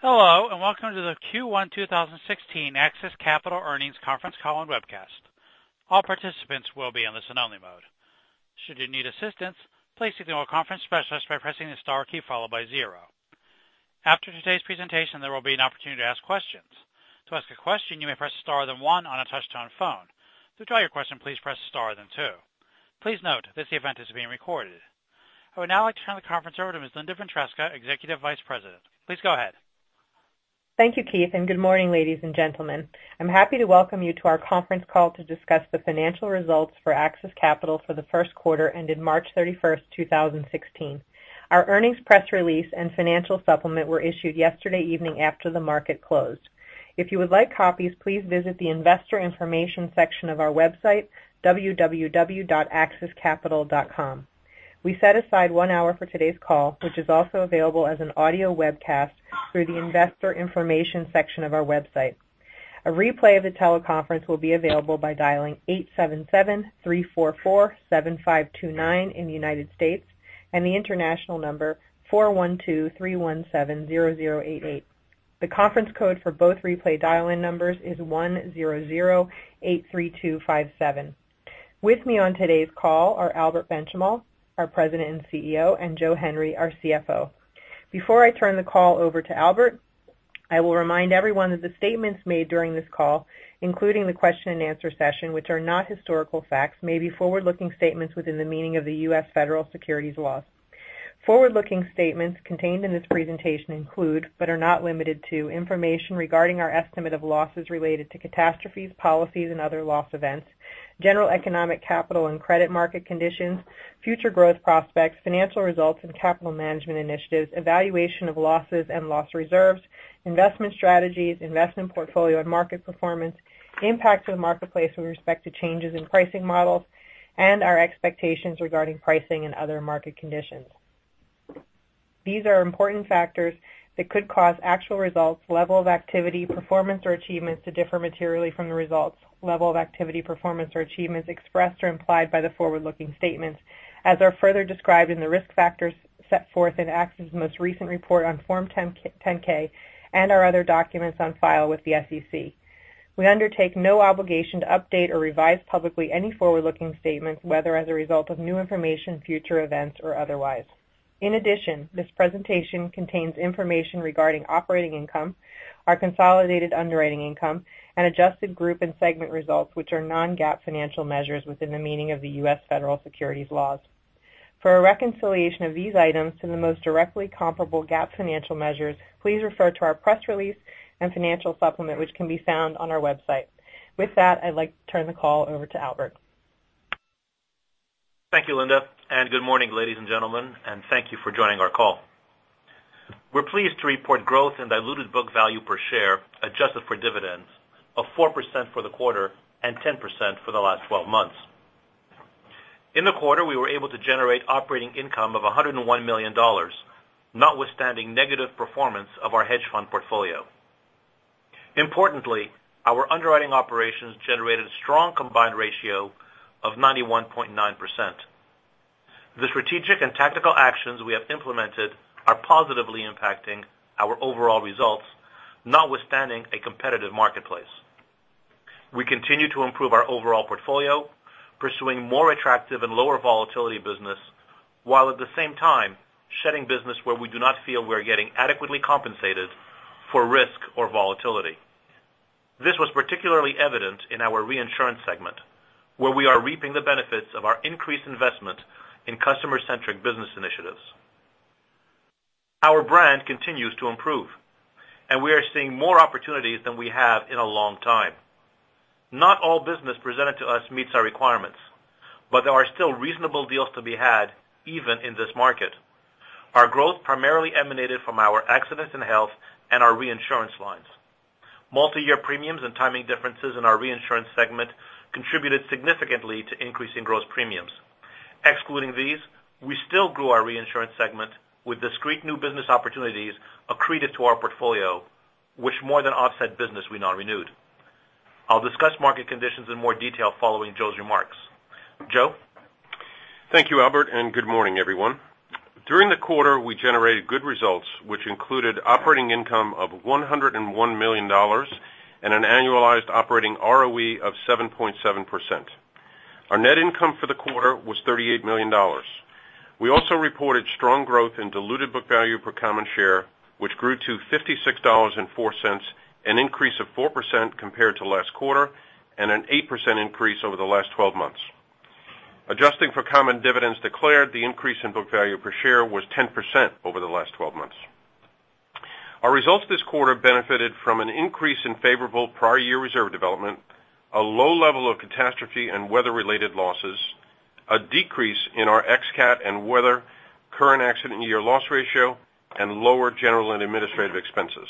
Hello, and welcome to the Q1 2016 AXIS Capital Earnings conference call and webcast. All participants will be in listen-only mode. Should you need assistance, please signal a conference specialist by pressing the star key followed by zero. After today's presentation, there will be an opportunity to ask questions. To ask a question, you may press star then one on a touch-tone phone. To withdraw your question, please press star then two. Please note, this event is being recorded. I would now like to turn the conference over to Ms. Linda Ventresca, Executive Vice President. Please go ahead. Thank you, Keith, and good morning, ladies and gentlemen. I'm happy to welcome you to our conference call to discuss the financial results for AXIS Capital for the first quarter ended March 31st, 2016. Our earnings press release and financial supplement were issued yesterday evening after the market closed. If you would like copies, please visit the investor information section of our website, www.axiscapital.com. We set aside one hour for today's call, which is also available as an audio webcast through the investor information section of our website. A replay of the teleconference will be available by dialing 877-344-7529 in the U.S. and the international number 412-317-0088. The conference code for both replay dial-in numbers is 10083257. With me on today's call are Albert Benchimol, our President and CEO, and Joseph Henry, our CFO. Before I turn the call over to Albert, I will remind everyone that the statements made during this call, including the question and answer session, which are not historical facts, may be forward-looking statements within the meaning of the U.S. Federal securities laws. Forward-looking statements contained in this presentation include, but are not limited to, information regarding our estimate of losses related to catastrophes, policies, and other loss events, general economic capital and credit market conditions, future growth prospects, financial results and capital management initiatives, evaluation of losses and loss reserves, investment strategies, investment portfolio and market performance, the impact to the marketplace with respect to changes in pricing models, and our expectations regarding pricing and other market conditions. These are important factors that could cause actual results, level of activity, performance, or achievements to differ materially from the results, level of activity, performance, or achievements expressed or implied by the forward-looking statements, as are further described in the risk factors set forth in AXIS' most recent report on Form 10-K and our other documents on file with the SEC. We undertake no obligation to update or revise publicly any forward-looking statements, whether as a result of new information, future events, or otherwise. In addition, this presentation contains information regarding operating income, our consolidated underwriting income, and adjusted group and segment results, which are non-GAAP financial measures within the meaning of the U.S. federal securities laws. For a reconciliation of these items to the most directly comparable GAAP financial measures, please refer to our press release and financial supplement, which can be found on our website. With that, I'd like to turn the call over to Albert. Thank you, Linda, and good morning, ladies and gentlemen, and thank you for joining our call. We're pleased to report growth in diluted book value per share adjusted for dividends of 4% for the quarter and 10% for the last 12 months. In the quarter, we were able to generate operating income of $101 million, notwithstanding negative performance of our hedge fund portfolio. Importantly, our underwriting operations generated a strong combined ratio of 91.9%. The strategic and tactical actions we have implemented are positively impacting our overall results, notwithstanding a competitive marketplace. We continue to improve our overall portfolio, pursuing more attractive and lower volatility business, while at the same time shedding business where we do not feel we're getting adequately compensated for risk or volatility. This was particularly evident in our reinsurance segment, where we are reaping the benefits of our increased investment in customer-centric business initiatives. Our brand continues to improve, and we are seeing more opportunities than we have in a long time. Not all business presented to us meets our requirements, but there are still reasonable deals to be had even in this market. Our growth primarily emanated from our accidents and health and our reinsurance lines. Multi-year premiums and timing differences in our reinsurance segment contributed significantly to increasing gross premiums. Excluding these, we still grew our reinsurance segment with discrete new business opportunities accreted to our portfolio, which more than offset business we non-renewed. I'll discuss market conditions in more detail following Joe's remarks. Joe? Thank you, Albert, and good morning, everyone. During the quarter, we generated good results which included operating income of $101 million and an annualized operating ROE of 7.7%. Our net income for the quarter was $38 million. We also reported strong growth in diluted book value per common share, which grew to $56.04, an increase of 4% compared to last quarter and an 8% increase over the last 12 months. Adjusting for common dividends declared, the increase in book value per share was 10% over the last 12 months. Our results this quarter benefited from an increase in favorable prior year reserve development, a low level of catastrophe and weather-related losses, a decrease in our ex-CAT and weather current accident year loss ratio, and lower general and administrative expenses.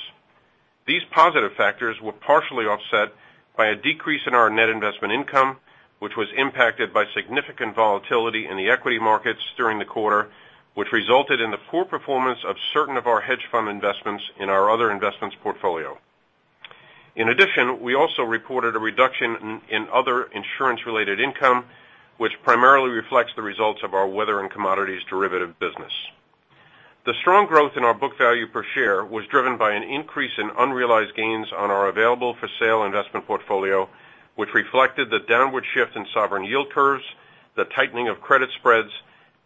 These positive factors were partially offset by a decrease in our net investment income, which was impacted by significant volatility in the equity markets during the quarter, which resulted in the poor performance of certain of our hedge fund investments in our other investments portfolio. In addition, we also reported a reduction in other insurance-related income, which primarily reflects the results of our weather and commodities derivative business. The strong growth in our book value per share was driven by an increase in unrealized gains on our available-for-sale investment portfolio, which reflected the downward shift in sovereign yield curves, the tightening of credit spreads,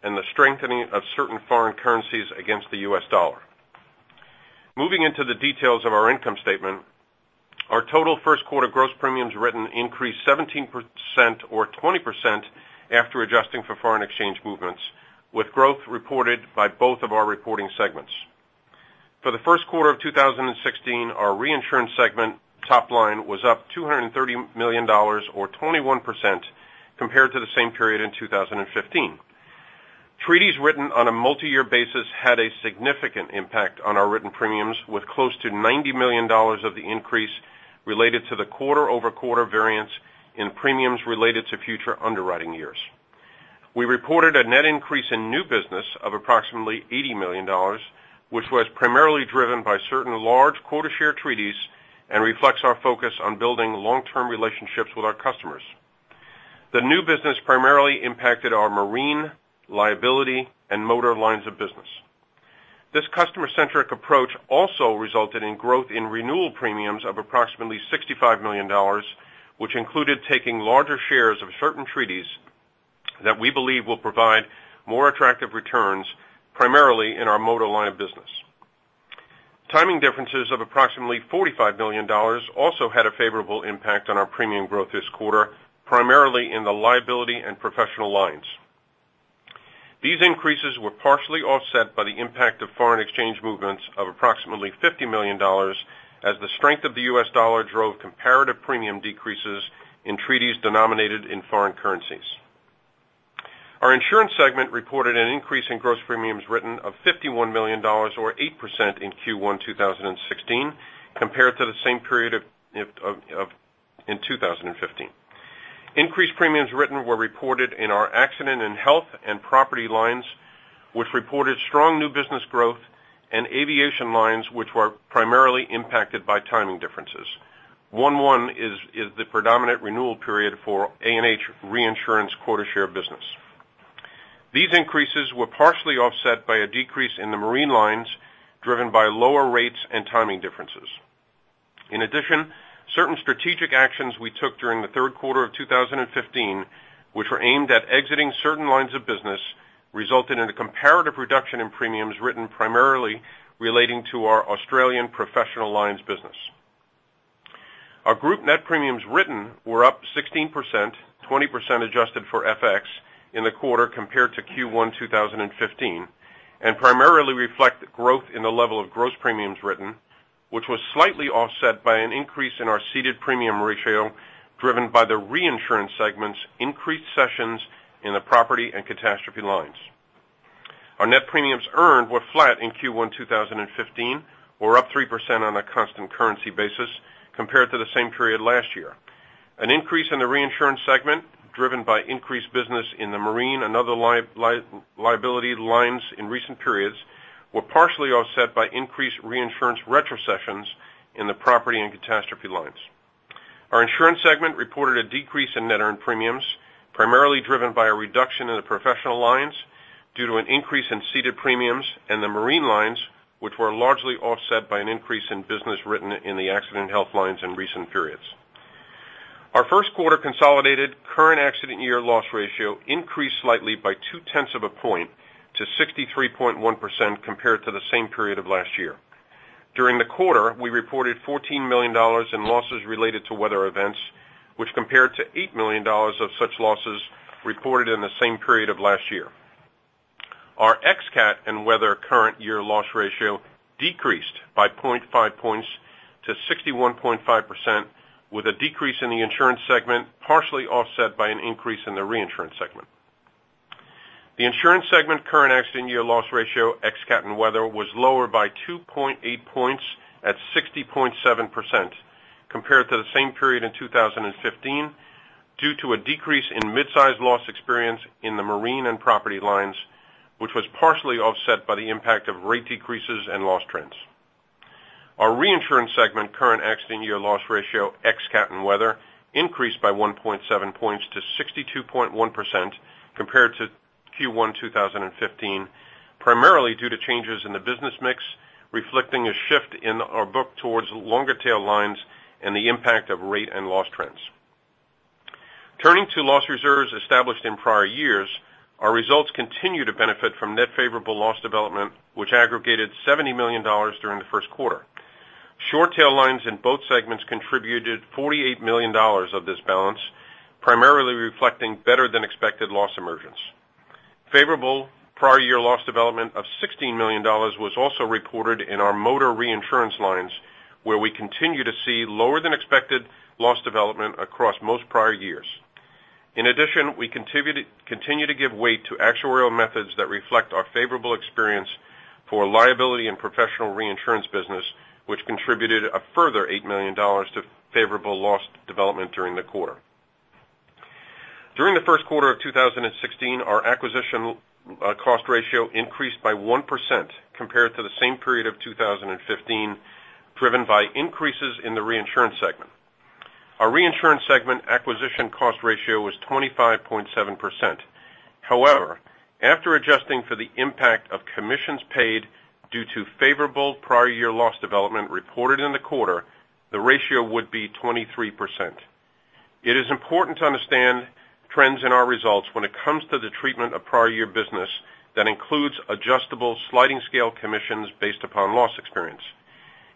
and the strengthening of certain foreign currencies against the U.S. dollar. Moving into the details of our income statement, our total first quarter gross premiums written increased 17%, or 20% after adjusting for foreign exchange movements, with growth reported by both of our reporting segments. For the first quarter of 2016, our reinsurance segment top line was up $230 million, or 21%, compared to the same period in 2015. Treaties written on a multiyear basis had a significant impact on our written premiums, with close to $90 million of the increase related to the quarter-over-quarter variance in premiums related to future underwriting years. We reported a net increase in new business of approximately $80 million, which was primarily driven by certain large quota share treaties and reflects our focus on building long-term relationships with our customers. The new business primarily impacted our marine, liability, and motor lines of business. This customer-centric approach also resulted in growth in renewal premiums of approximately $65 million, which included taking larger shares of certain treaties that we believe will provide more attractive returns, primarily in our motor line of business. Timing differences of approximately $45 million also had a favorable impact on our premium growth this quarter, primarily in the liability and professional lines. These increases were partially offset by the impact of foreign exchange movements of approximately $50 million as the strength of the U.S. dollar drove comparative premium decreases in treaties denominated in foreign currencies. Our insurance segment reported an increase in gross premiums written of $51 million, or 8%, in Q1 2016 compared to the same period in 2015. Increased premiums written were reported in our accident and health and property lines, which reported strong new business growth, and aviation lines, which were primarily impacted by timing differences. 1/1 is the predominant renewal period for A&H reinsurance quota share business. These increases were partially offset by a decrease in the marine lines, driven by lower rates and timing differences. In addition, certain strategic actions we took during the third quarter of 2015, which were aimed at exiting certain lines of business, resulted in a comparative reduction in premiums written primarily relating to our Australian professional lines business. Our group net premiums written were up 16%, 20% adjusted for FX, in the quarter compared to Q1 2015, and primarily reflect growth in the level of gross premiums written, which was slightly offset by an increase in our ceded premium ratio, driven by the reinsurance segment's increased sessions in the property and catastrophe lines. Our net premiums earned were flat in Q1 2015, or up 3% on a constant currency basis compared to the same period last year. An increase in the reinsurance segment, driven by increased business in the marine and other liability lines in recent periods, were partially offset by increased reinsurance retrocessions in the property and catastrophe lines. Our insurance segment reported a decrease in net earned premiums, primarily driven by a reduction in the professional lines due to an increase in ceded premiums in the marine lines, which were largely offset by an increase in business written in the accident and health lines in recent periods. Our first quarter consolidated current accident year loss ratio increased slightly by two-tenths of a point to 63.1% compared to the same period of last year. During the quarter, we reported $14 million in losses related to weather events, which compared to $8 million of such losses reported in the same period of last year. Our ex CAT and weather current year loss ratio decreased by 0.5 points to 61.5%, with a decrease in the insurance segment partially offset by an increase in the reinsurance segment. The insurance segment current accident year loss ratio, ex CAT and weather, was lower by 2.8 points at 60.7% compared to the same period in 2015, due to a decrease in midsize loss experience in the marine and property lines, which was partially offset by the impact of rate decreases and loss trends. Our reinsurance segment current accident year loss ratio, ex CAT and weather, increased by 1.7 points to 62.1% compared to Q1 2015, primarily due to changes in the business mix reflecting a shift in our book towards longer tail lines and the impact of rate and loss trends. Turning to loss reserves established in prior years, our results continue to benefit from net favorable loss development, which aggregated $70 million during the first quarter. Short tail lines in both segments contributed $48 million of this balance, primarily reflecting better than expected loss emergence. Favorable prior year loss development of $16 million was also reported in our motor reinsurance lines, where we continue to see lower than expected loss development across most prior years. In addition, we continue to give weight to actuarial methods that reflect our favorable experience for liability and professional reinsurance business, which contributed a further $8 million to favorable loss development during the quarter. During the first quarter of 2016, our acquisition cost ratio increased by 1% compared to the same period of 2015, driven by increases in the reinsurance segment. Our reinsurance segment acquisition cost ratio was 25.7%. However, after adjusting for the impact of commissions paid due to favorable prior year loss development reported in the quarter, the ratio would be 23%. It is important to understand trends in our results when it comes to the treatment of prior year business that includes adjustable sliding scale commissions based upon loss experience.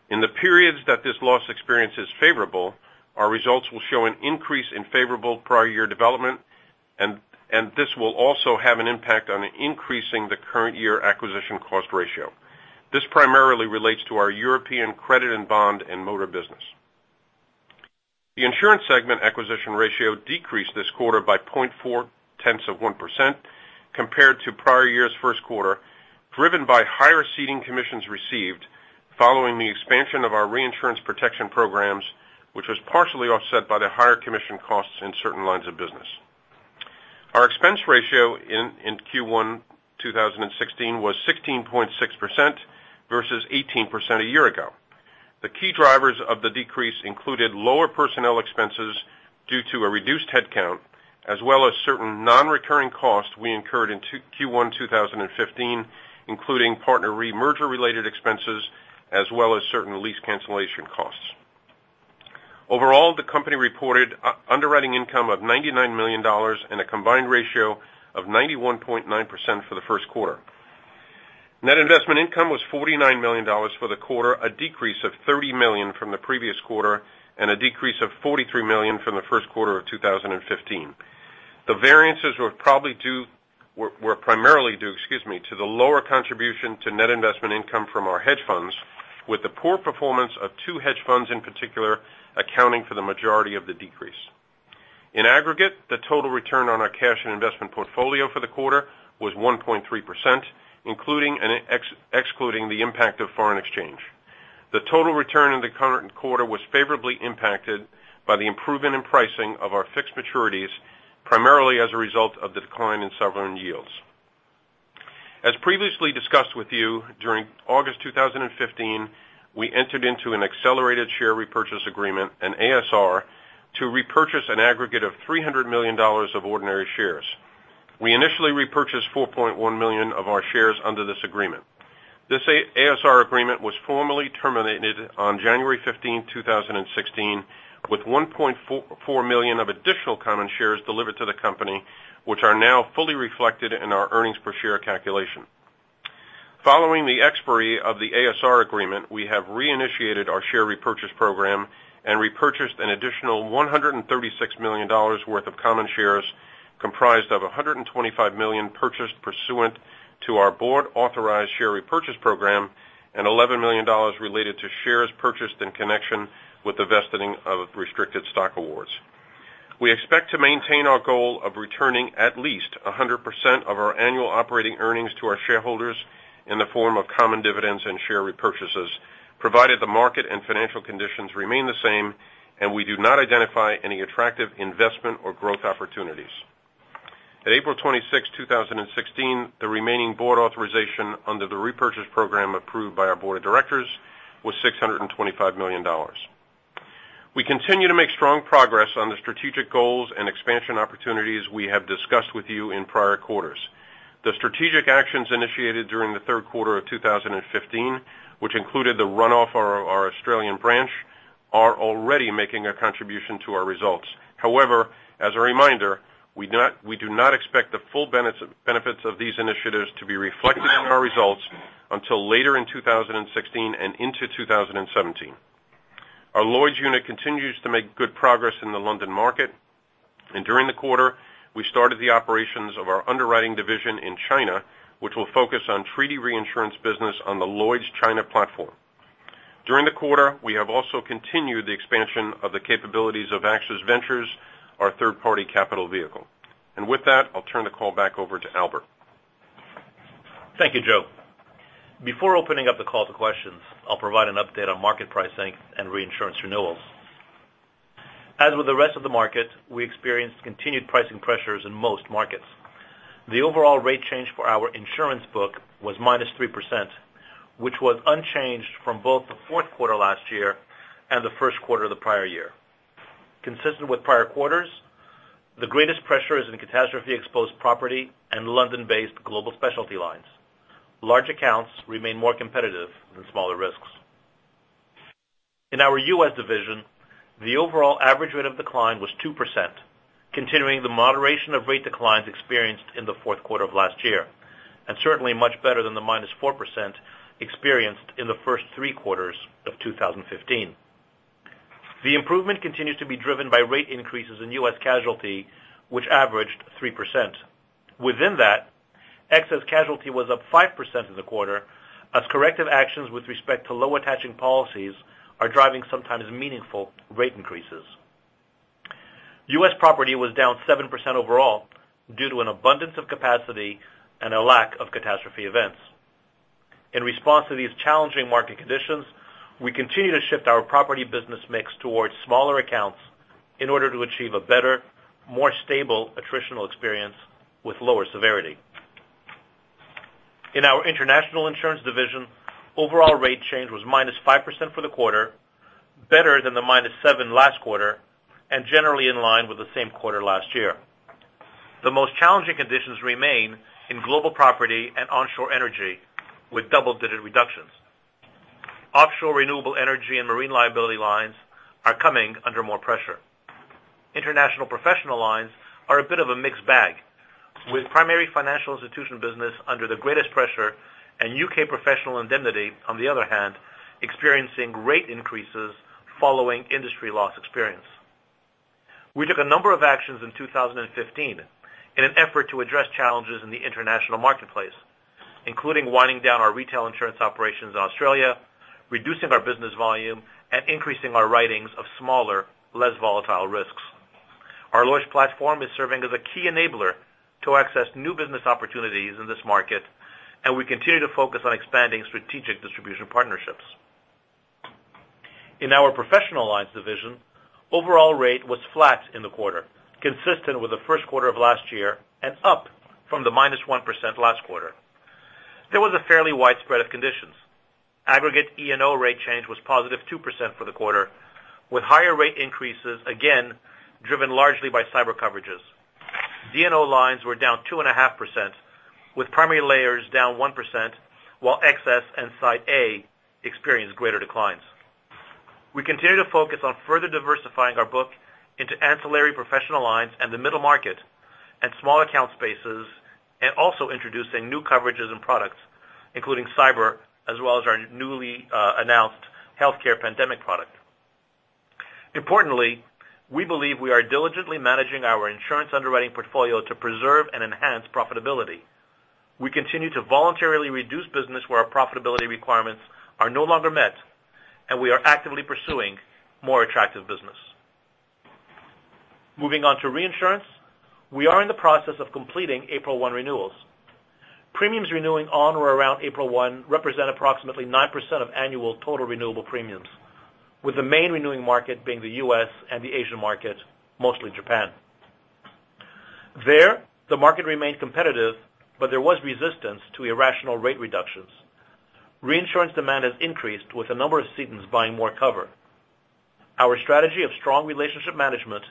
In the periods that this loss experience is favorable, our results will show an increase in favorable prior year development, and this will also have an impact on increasing the current year acquisition cost ratio. This primarily relates to our European credit and bond and motor business. The insurance segment acquisition ratio decreased this quarter by 0.4%, compared to prior year's first quarter, driven by higher ceding commissions received following the expansion of our reinsurance protection programs, which was partially offset by the higher commission costs in certain lines of business. Our expense ratio in Q1 2016 was 16.6% versus 18% a year ago. The key drivers of the decrease included lower personnel expenses due to a reduced headcount, as well as certain non-recurring costs we incurred in Q1 2015, including PartnerRe merger related expenses, as well as certain lease cancellation costs. Overall, the company reported underwriting income of $99 million and a combined ratio of 91.9% for the first quarter. Net investment income was $49 million for the quarter, a decrease of $30 million from the previous quarter, and a decrease of $43 million from the first quarter of 2015. The variances were primarily due, excuse me, to the lower contribution to net investment income from our hedge funds, with the poor performance of two hedge funds in particular, accounting for the majority of the decrease. In aggregate, the total return on our cash and investment portfolio for the quarter was 1.3%, including and excluding the impact of foreign exchange. The total return in the current quarter was favorably impacted by the improvement in pricing of our fixed maturities, primarily as a result of the decline in sovereign yields. As previously discussed with you, during August 2015, we entered into an accelerated share repurchase agreement, an ASR, to repurchase an aggregate of $300 million of ordinary shares. We initially repurchased 4.1 million of our shares under this agreement. This ASR agreement was formally terminated on January 15, 2016, with 1.4 million of additional common shares delivered to the company, which are now fully reflected in our earnings per share calculation. Following the expiry of the ASR agreement, we have reinitiated our share repurchase program and repurchased an additional $136 million worth of common shares, comprised of 125 million purchased pursuant to our board authorized share repurchase program, and $11 million related to shares purchased in connection with the vesting of restricted stock awards. We expect to maintain our goal of returning at least 100% of our annual operating earnings to our shareholders in the form of common dividends and share repurchases, provided the market and financial conditions remain the same and we do not identify any attractive investment or growth opportunities. At April 26, 2016, the remaining board authorization under the repurchase program approved by our board of directors was $625 million. We continue to make strong progress on the strategic goals and expansion opportunities we have discussed with you in prior quarters. The strategic actions initiated during the third quarter of 2015, which included the runoff of our Australian branch, are already making a contribution to our results. However, as a reminder, we do not expect the full benefits of these initiatives to be reflected in our results until later in 2016 and into 2017. Our Lloyd's unit continues to make good progress in the London market, during the quarter, we started the operations of our underwriting division in China, which will focus on treaty reinsurance business on the Lloyd's China platform. During the quarter, we have also continued the expansion of the capabilities of AXIS Ventures, our third-party capital vehicle. With that, I'll turn the call back over to Albert. Thank you, Joe. Before opening up the call to questions, I'll provide an update on market pricing and reinsurance renewals. As with the rest of the market, we experienced continued pricing pressures in most markets. The overall rate change for our insurance book was -3%, which was unchanged from both the fourth quarter last year and the first quarter of the prior year. Consistent with prior quarters, the greatest pressure is in catastrophe-exposed property and London-based global specialty lines. Large accounts remain more competitive than smaller risks. In our U.S. division, the overall average rate of decline was 2%, continuing the moderation of rate declines experienced in the fourth quarter of last year, and certainly much better than the -4% experienced in the first three quarters of 2015. The improvement continues to be driven by rate increases in U.S. casualty, which averaged 3%. Within that, excess casualty was up 5% in the quarter as corrective actions with respect to low attaching policies are driving sometimes meaningful rate increases. U.S. property was down 7% overall due to an abundance of capacity and a lack of catastrophe events. In response to these challenging market conditions, we continue to shift our property business mix towards smaller accounts in order to achieve a better, more stable attritional experience with lower severity. In our international insurance division, overall rate change was -5% for the quarter, better than the -7% last quarter, and generally in line with the same quarter last year. The most challenging conditions remain in global property and onshore energy, with double-digit reductions. Offshore renewable energy and marine liability lines are coming under more pressure. International professional lines are a bit of a mixed bag, with primary financial institution business under the greatest pressure and U.K. professional indemnity, on the other hand, experiencing rate increases following industry loss experience. We took a number of actions in 2015 in an effort to address challenges in the international marketplace, including winding down our retail insurance operations in Australia, reducing our business volume, and increasing our writings of smaller, less volatile risks. Our Lloyd's platform is serving as a key enabler to access new business opportunities in this market, and we continue to focus on expanding strategic distribution partnerships. In our professional lines division, overall rate was flat in the quarter, consistent with the first quarter of last year and up from the -1% last quarter. There was a fairly wide spread of conditions. Aggregate E&O rate change was +2% for the quarter, with higher rate increases, again, driven largely by cyber coverages. D&O lines were down 2.5% with primary layers down 1%, while excess and Side A experienced greater declines. We continue to focus on further diversifying our book into ancillary professional lines and the middle market and small account spaces, and also introducing new coverages and products, including cyber, as well as our newly announced healthcare pandemic product. Importantly, we believe we are diligently managing our insurance underwriting portfolio to preserve and enhance profitability. We continue to voluntarily reduce business where our profitability requirements are no longer met, and we are actively pursuing more attractive business. Moving on to reinsurance. We are in the process of completing April 1 renewals. Premiums renewing on or around April 1 represent approximately 9% of annual total renewable premiums, with the main renewing market being the U.S. and the Asian market, mostly Japan. There, the market remained competitive, but there was resistance to irrational rate reductions. Reinsurance demand has increased with a number of cedents buying more cover. Our strategy of strong relationship management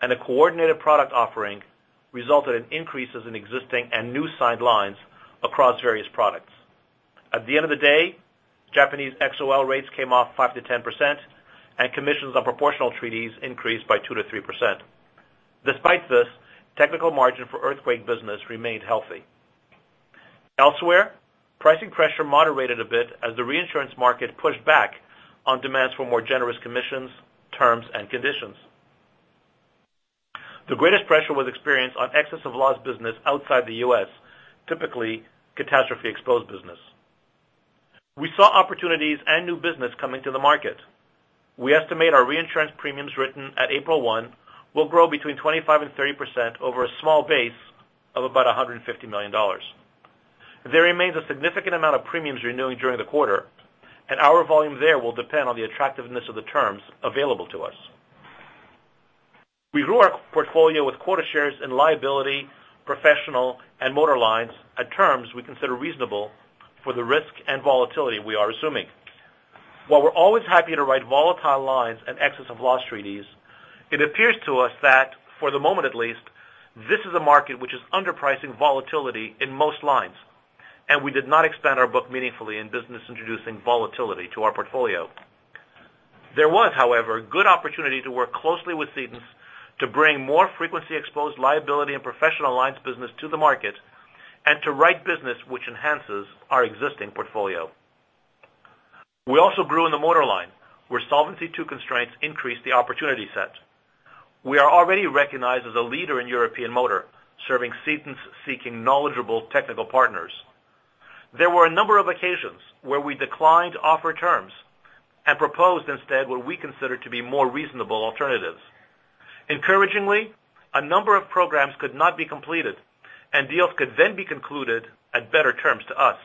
and a coordinated product offering resulted in increases in existing and new side lines across various products. At the end of the day, Japanese XOL rates came off 5%-10%, and commissions on proportional treaties increased by 2%-3%. Despite this, technical margin for earthquake business remained healthy. Elsewhere, pricing pressure moderated a bit as the reinsurance market pushed back on demands for more generous commissions, terms, and conditions. The greatest pressure was experienced on excess of loss business outside the U.S., typically catastrophe-exposed business. We saw opportunities and new business coming to the market. We estimate our reinsurance premiums written at April 1 will grow between 25% and 30% over a small base of about $150 million. There remains a significant amount of premiums renewing during the quarter, and our volume there will depend on the attractiveness of the terms available to us. We grew our portfolio with quota shares in liability, professional, and motor lines at terms we consider reasonable for the risk and volatility we are assuming. While we're always happy to write volatile lines and excess of loss treaties, it appears to us that, for the moment at least, this is a market which is underpricing volatility in most lines, and we did not expand our book meaningfully in business introducing volatility to our portfolio. There was, however, good opportunity to work closely with cedents to bring more frequency-exposed liability and professional lines business to the market and to write business which enhances our existing portfolio. We also grew in the motor line, where Solvency II constraints increased the opportunity set. We are already recognized as a leader in European motor, serving cedents seeking knowledgeable technical partners. There were a number of occasions where we declined offer terms and proposed instead what we consider to be more reasonable alternatives. Encouragingly, a number of programs could not be completed, and deals could then be concluded at better terms to us.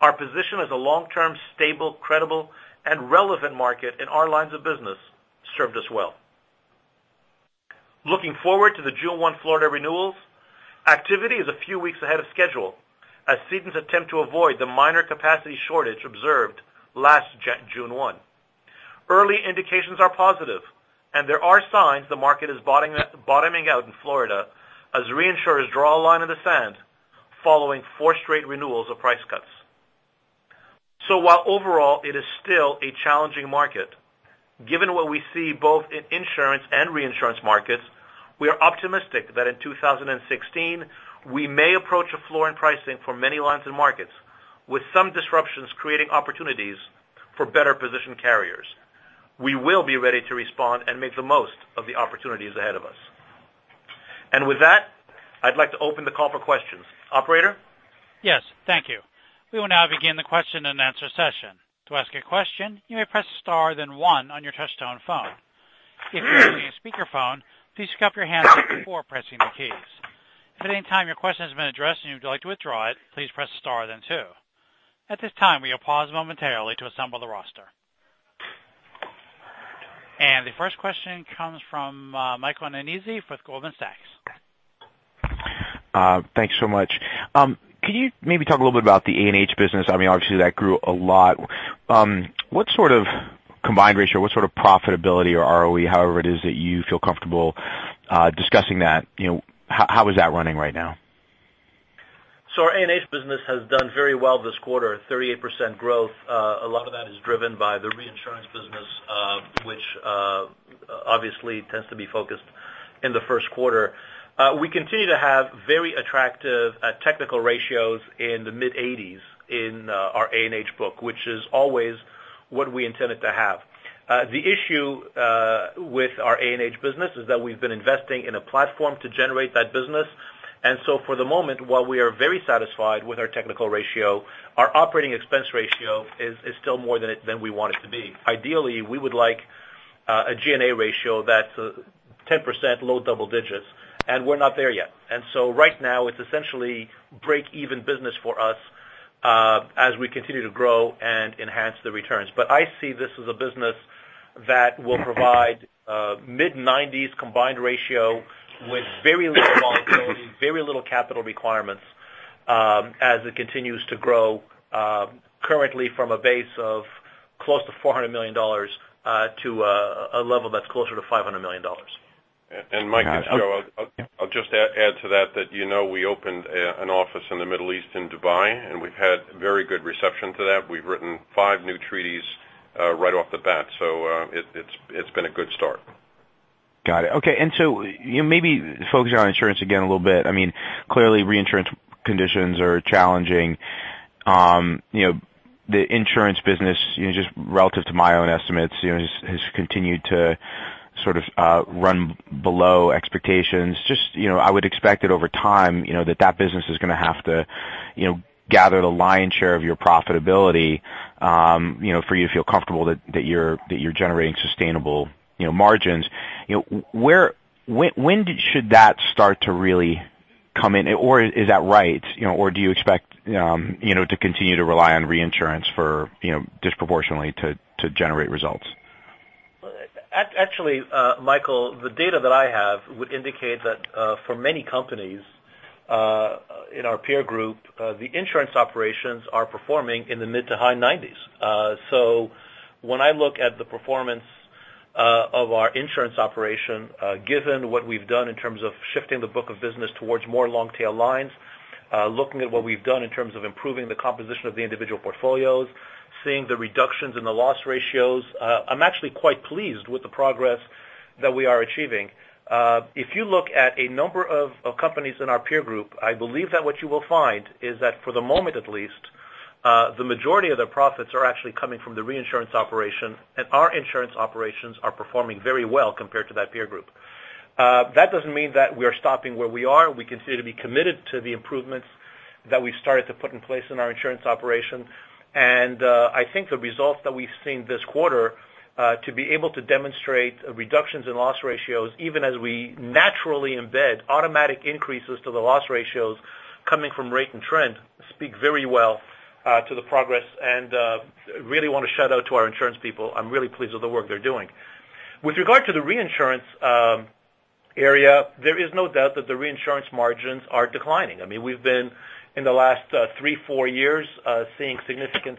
Our position as a long-term, stable, credible, and relevant market in our lines of business served us well. Looking forward to the June 1 Florida renewals, activity is a few weeks ahead of schedule as cedents attempt to avoid the minor capacity shortage observed last June 1. Early indications are positive, and there are signs the market is bottoming out in Florida as reinsurers draw a line in the sand following four straight renewals of price cuts. While overall it is still a challenging market, given what we see both in insurance and reinsurance markets, we are optimistic that in 2016, we may approach a floor in pricing for many lines and markets, with some disruptions creating opportunities for better-positioned carriers. We will be ready to respond and make the most of the opportunities ahead of us. With that, I'd like to open the call for questions. Operator? Yes. Thank you. We will now begin the question-and-answer session. To ask a question, you may press star then one on your touchtone phone. If you're using a speakerphone, please pick up your handset before pressing the keys. If at any time your question has been addressed and you would like to withdraw it, please press star then two. At this time, we will pause momentarily to assemble the roster. The first question comes from Michael Nannizzi with Goldman Sachs. Thanks so much. Can you maybe talk a little bit about the A&H business? Obviously, that grew a lot. What sort of combined ratio, what sort of profitability or ROE, however it is that you feel comfortable discussing that, how is that running right now? Our A&H business has done very well this quarter, 38% growth. A lot of that is driven by the reinsurance business, which obviously tends to be focused in the first quarter. We continue to have very attractive technical ratios in the mid-80s in our A&H book, which is always what we intended to have. The issue with our A&H business is that we've been investing in a platform to generate that business. For the moment, while we are very satisfied with our technical ratio, our operating expense ratio is still more than we want it to be. Ideally, we would like a G&A ratio that's 10% low double digits, and we're not there yet. Right now it's essentially break-even business for us as we continue to grow and enhance the returns. I see this as a business that will provide mid-90s combined ratio with very little volatility, very little capital requirements as it continues to grow, currently from a base of close to $400 million to a level that's closer to $500 million. Mike, I'll just add to that you know we opened an office in the Middle East in Dubai, and we've had very good reception to that. We've written five new treaties right off the bat. It's been a good start. Got it. Okay. Maybe focusing on insurance again a little bit. Clearly reinsurance conditions are challenging. The insurance business, just relative to my own estimates, has continued to sort of run below expectations. I would expect that over time, that business is going to have to gather the lion's share of your profitability for you to feel comfortable that you're generating sustainable margins. When should that start to really come in, or is that right? Do you expect to continue to rely on reinsurance disproportionately to generate results? Actually, Michael, the data that I have would indicate that for many companies in our peer group the insurance operations are performing in the mid to high 90s. When I look at the performance of our insurance operation, given what we've done in terms of shifting the book of business towards more long-tail lines, looking at what we've done in terms of improving the composition of the individual portfolios, seeing the reductions in the loss ratios, I'm actually quite pleased with the progress that we are achieving. If you look at a number of companies in our peer group, I believe that what you will find is that for the moment at least, the majority of their profits are actually coming from the reinsurance operation, and our insurance operations are performing very well compared to that peer group. That doesn't mean that we are stopping where we are. We continue to be committed to the improvements that we've started to put in place in our insurance operation. I think the results that we've seen this quarter to be able to demonstrate reductions in loss ratios, even as we naturally embed automatic increases to the loss ratios coming from rate and trend speak very well to the progress and really want to shout out to our insurance people. I'm really pleased with the work they're doing. With regard to the reinsurance area, there is no doubt that the reinsurance margins are declining. We've been, in the last three, four years seeing significant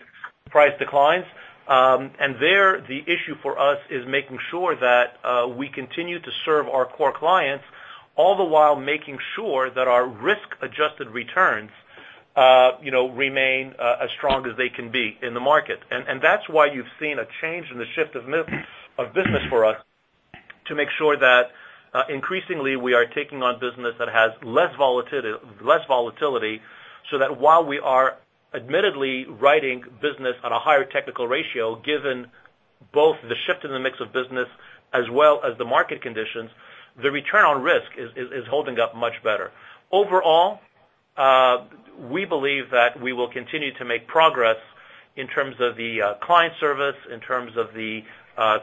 price declines. There, the issue for us is making sure that we continue to serve our core clients, all the while making sure that our risk-adjusted returns remain as strong as they can be in the market. That's why you've seen a change in the shift of business for us to make sure that increasingly we are taking on business that has less volatility so that while we are admittedly writing business at a higher technical ratio given both the shift in the mix of business as well as the market conditions, the return on risk is holding up much better. Overall, we believe that we will continue to make progress in terms of the client service, in terms of the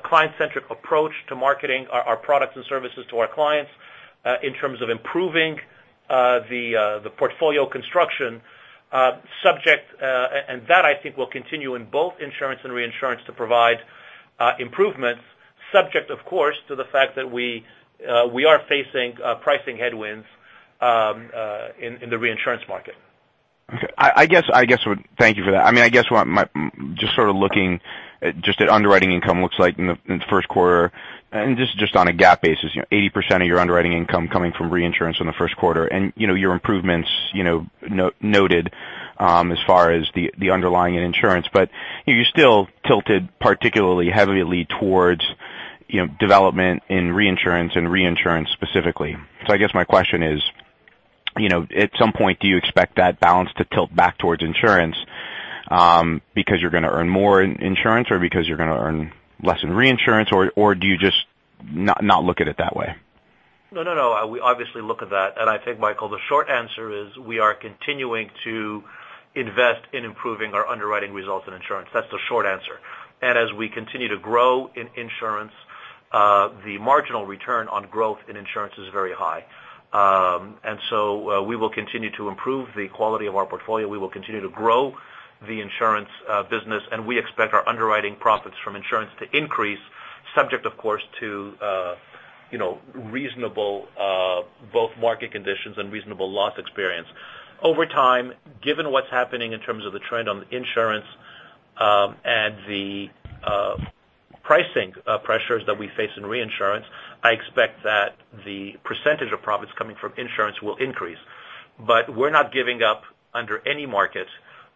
client-centric approach to marketing our products and services to our clients, in terms of improving the portfolio construction. That I think will continue in both insurance and reinsurance to provide improvements, subject, of course, to the fact that we are facing pricing headwinds in the reinsurance market. Okay. Thank you for that. I guess just sort of looking just at underwriting income looks like in the first quarter, and just on a GAAP basis, 80% of your underwriting income coming from reinsurance in the first quarter and your improvements noted as far as the underlying in insurance. You're still tilted particularly heavily towards development in reinsurance and reinsurance specifically. I guess my question is at some point, do you expect that balance to tilt back towards insurance because you're going to earn more in insurance or because you're going to earn less in reinsurance, or do you just not look at it that way? No. We obviously look at that, and I think, Michael, the short answer is we are continuing to invest in improving our underwriting results in insurance. That's the short answer. As we continue to grow in insurance, the marginal return on growth in insurance is very high. We will continue to improve the quality of our portfolio, we will continue to grow the insurance business, and we expect our underwriting profits from insurance to increase, subject, of course, to reasonable both market conditions and reasonable loss experience. Over time, given what's happening in terms of the trend on insurance, and the pricing pressures that we face in reinsurance, I expect that the percentage of profits coming from insurance will increase. We're not giving up under any market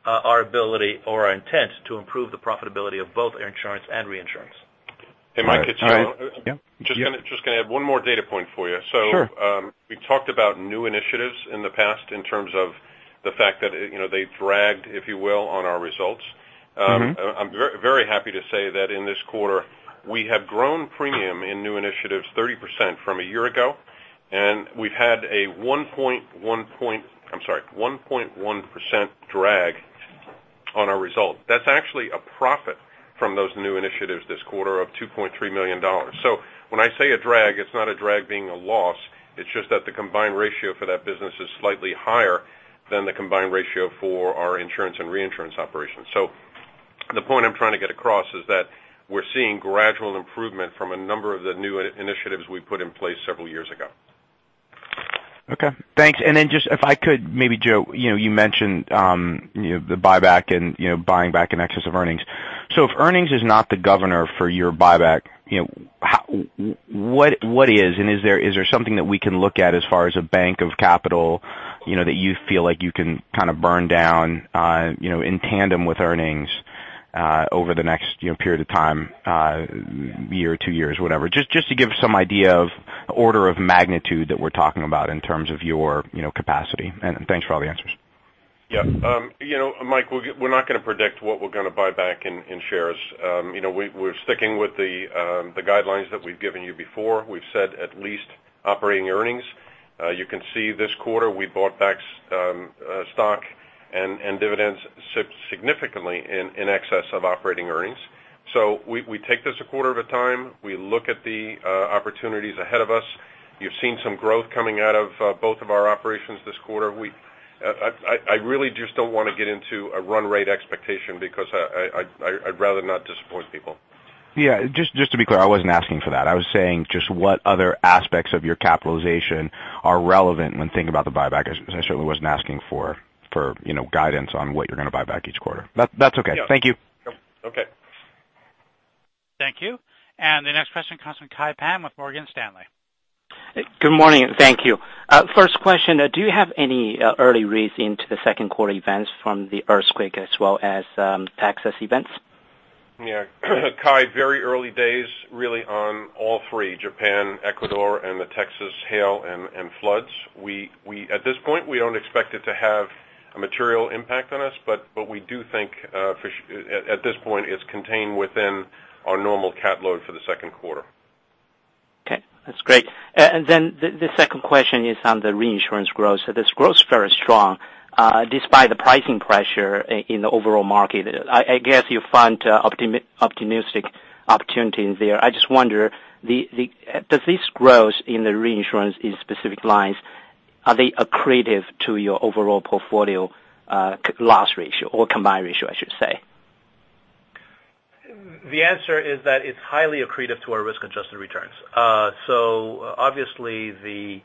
our ability or our intent to improve the profitability of both insurance and reinsurance. Hey, Mike, it's Joe. All right. Yeah. Just going to add one more data point for you. Sure. We talked about new initiatives in the past in terms of the fact that they dragged, if you will, on our results. I'm very happy to say that in this quarter, we have grown premium in new initiatives 30% from a year ago, and we've had a 1.1% drag on our result. That's actually a profit from those new initiatives this quarter of $2.3 million. When I say a drag, it's not a drag being a loss, it's just that the combined ratio for that business is slightly higher than the combined ratio for our insurance and reinsurance operations. The point I'm trying to get across is that we're seeing gradual improvement from a number of the new initiatives we put in place several years ago. Okay, thanks. Just if I could, maybe Joe, you mentioned the buyback and buying back in excess of earnings. If earnings is not the governor for your buyback, what is? Is there something that we can look at as far as a bank of capital that you feel like you can kind of burn down in tandem with earnings over the next period of time, year or two years, whatever? Just to give some idea of order of magnitude that we're talking about in terms of your capacity, thanks for all the answers. Yeah. Mike, we're not going to predict what we're going to buy back in shares. We're sticking with the guidelines that we've given you before. We've said at least operating earnings. You can see this quarter we bought back stock and dividends significantly in excess of operating earnings. We take this a quarter at a time. We look at the opportunities ahead of us. You've seen some growth coming out of both of our operations this quarter. I really just don't want to get into a run rate expectation because I'd rather not disappoint people. Yeah, just to be clear, I wasn't asking for that. I was saying just what other aspects of your capitalization are relevant when thinking about the buyback. I certainly wasn't asking for guidance on what you're going to buy back each quarter. That's okay. Thank you. Yeah. Okay. Thank you. The next question comes from Kai Pan with Morgan Stanley. Good morning, thank you. First question, do you have any early reads into the second quarter events from the earthquake as well as Texas events? Yeah. Kai, very early days, really, on all three, Japan, Ecuador, and the Texas hail and floods. At this point, we don't expect it to have a material impact on us, but we do think, at this point it's contained within our normal CAT load for the second quarter. Okay, that's great. Then the second question is on the reinsurance growth. This growth's very strong, despite the pricing pressure in the overall market. I guess you find optimistic opportunity in there. I just wonder, does this growth in the reinsurance in specific lines, are they accretive to your overall portfolio loss ratio or combined ratio, I should say? The answer is that it's highly accretive to our risk-adjusted returns. Obviously, the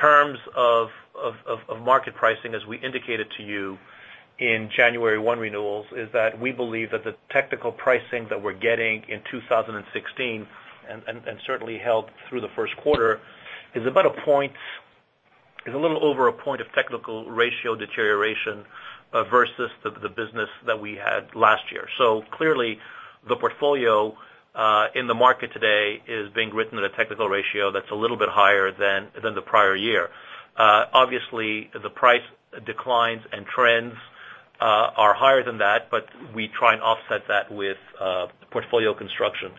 terms of market pricing, as we indicated to you in January 1 renewals, is that we believe that the technical pricing that we're getting in 2016, and certainly held through the first quarter, is a little over a point of technical ratio deterioration versus the business that we had last year. Clearly, the portfolio in the market today is being written at a technical ratio that's a little bit higher than the prior year. The price declines and trends are higher than that, but we try and offset that with portfolio construction.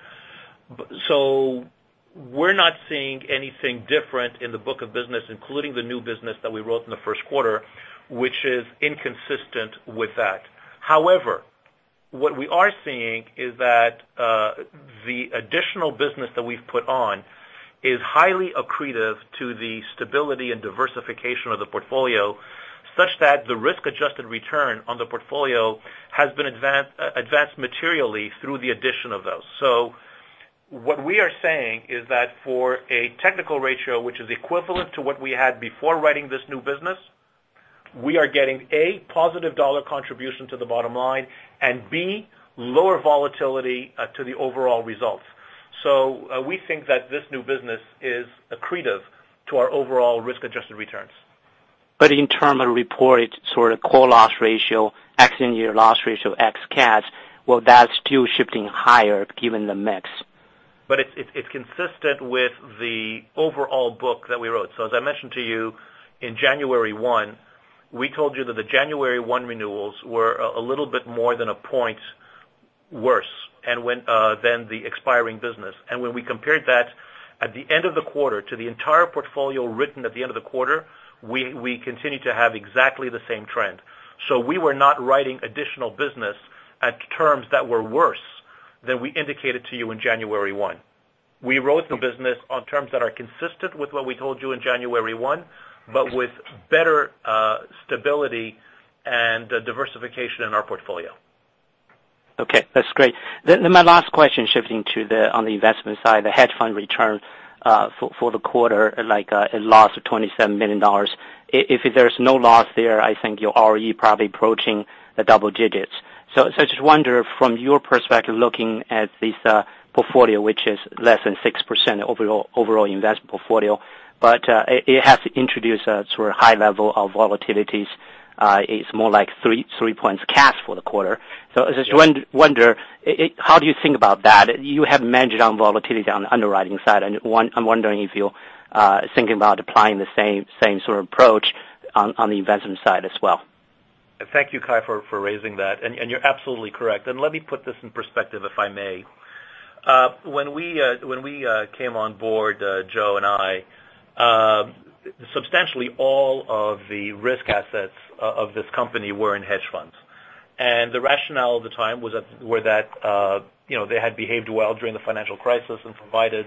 We're not seeing anything different in the book of business, including the new business that we wrote in the first quarter, which is inconsistent with that. However, what we are seeing is that the additional business that we've put on is highly accretive to the stability and diversification of the portfolio, such that the risk-adjusted return on the portfolio has been advanced materially through the addition of those. What we are saying is that for a technical ratio, which is equivalent to what we had before writing this new business, we are getting, A, positive dollar contribution to the bottom line, and B, lower volatility to the overall results. We think that this new business is accretive to our overall risk-adjusted returns. In terms of reported sort of core loss ratio, accident year loss ratio, ex CATs, that's still shifting higher given the mix. It's consistent with the overall book that we wrote. As I mentioned to you in January 1, we told you that the January 1 renewals were a little bit more than a point worse than the expiring business. When we compared that at the end of the quarter to the entire portfolio written at the end of the quarter, we continued to have exactly the same trend. We were not writing additional business at terms that were worse than we indicated to you in January 1. We wrote new business on terms that are consistent with what we told you in January 1, with better stability and diversification in our portfolio. Okay, that's great. My last question, shifting to on the investment side, the hedge fund return for the quarter, like a loss of $27 million. If there's no loss there, I think your ROE probably approaching the double digits. I just wonder, from your perspective, looking at this portfolio, which is less than 6% overall investment portfolio, but it has to introduce a sort of high level of volatilities. It's more like three points CAT for the quarter. I just wonder, how do you think about that? You have managed on volatility on the underwriting side, and I'm wondering if you're thinking about applying the same sort of approach on the investment side as well. Thank you, Kai, for raising that. You're absolutely correct. Let me put this in perspective, if I may. When we came on board, Joe and I, substantially all of the risk assets of this company were in hedge funds. The rationale at the time were that they had behaved well during the financial crisis and provided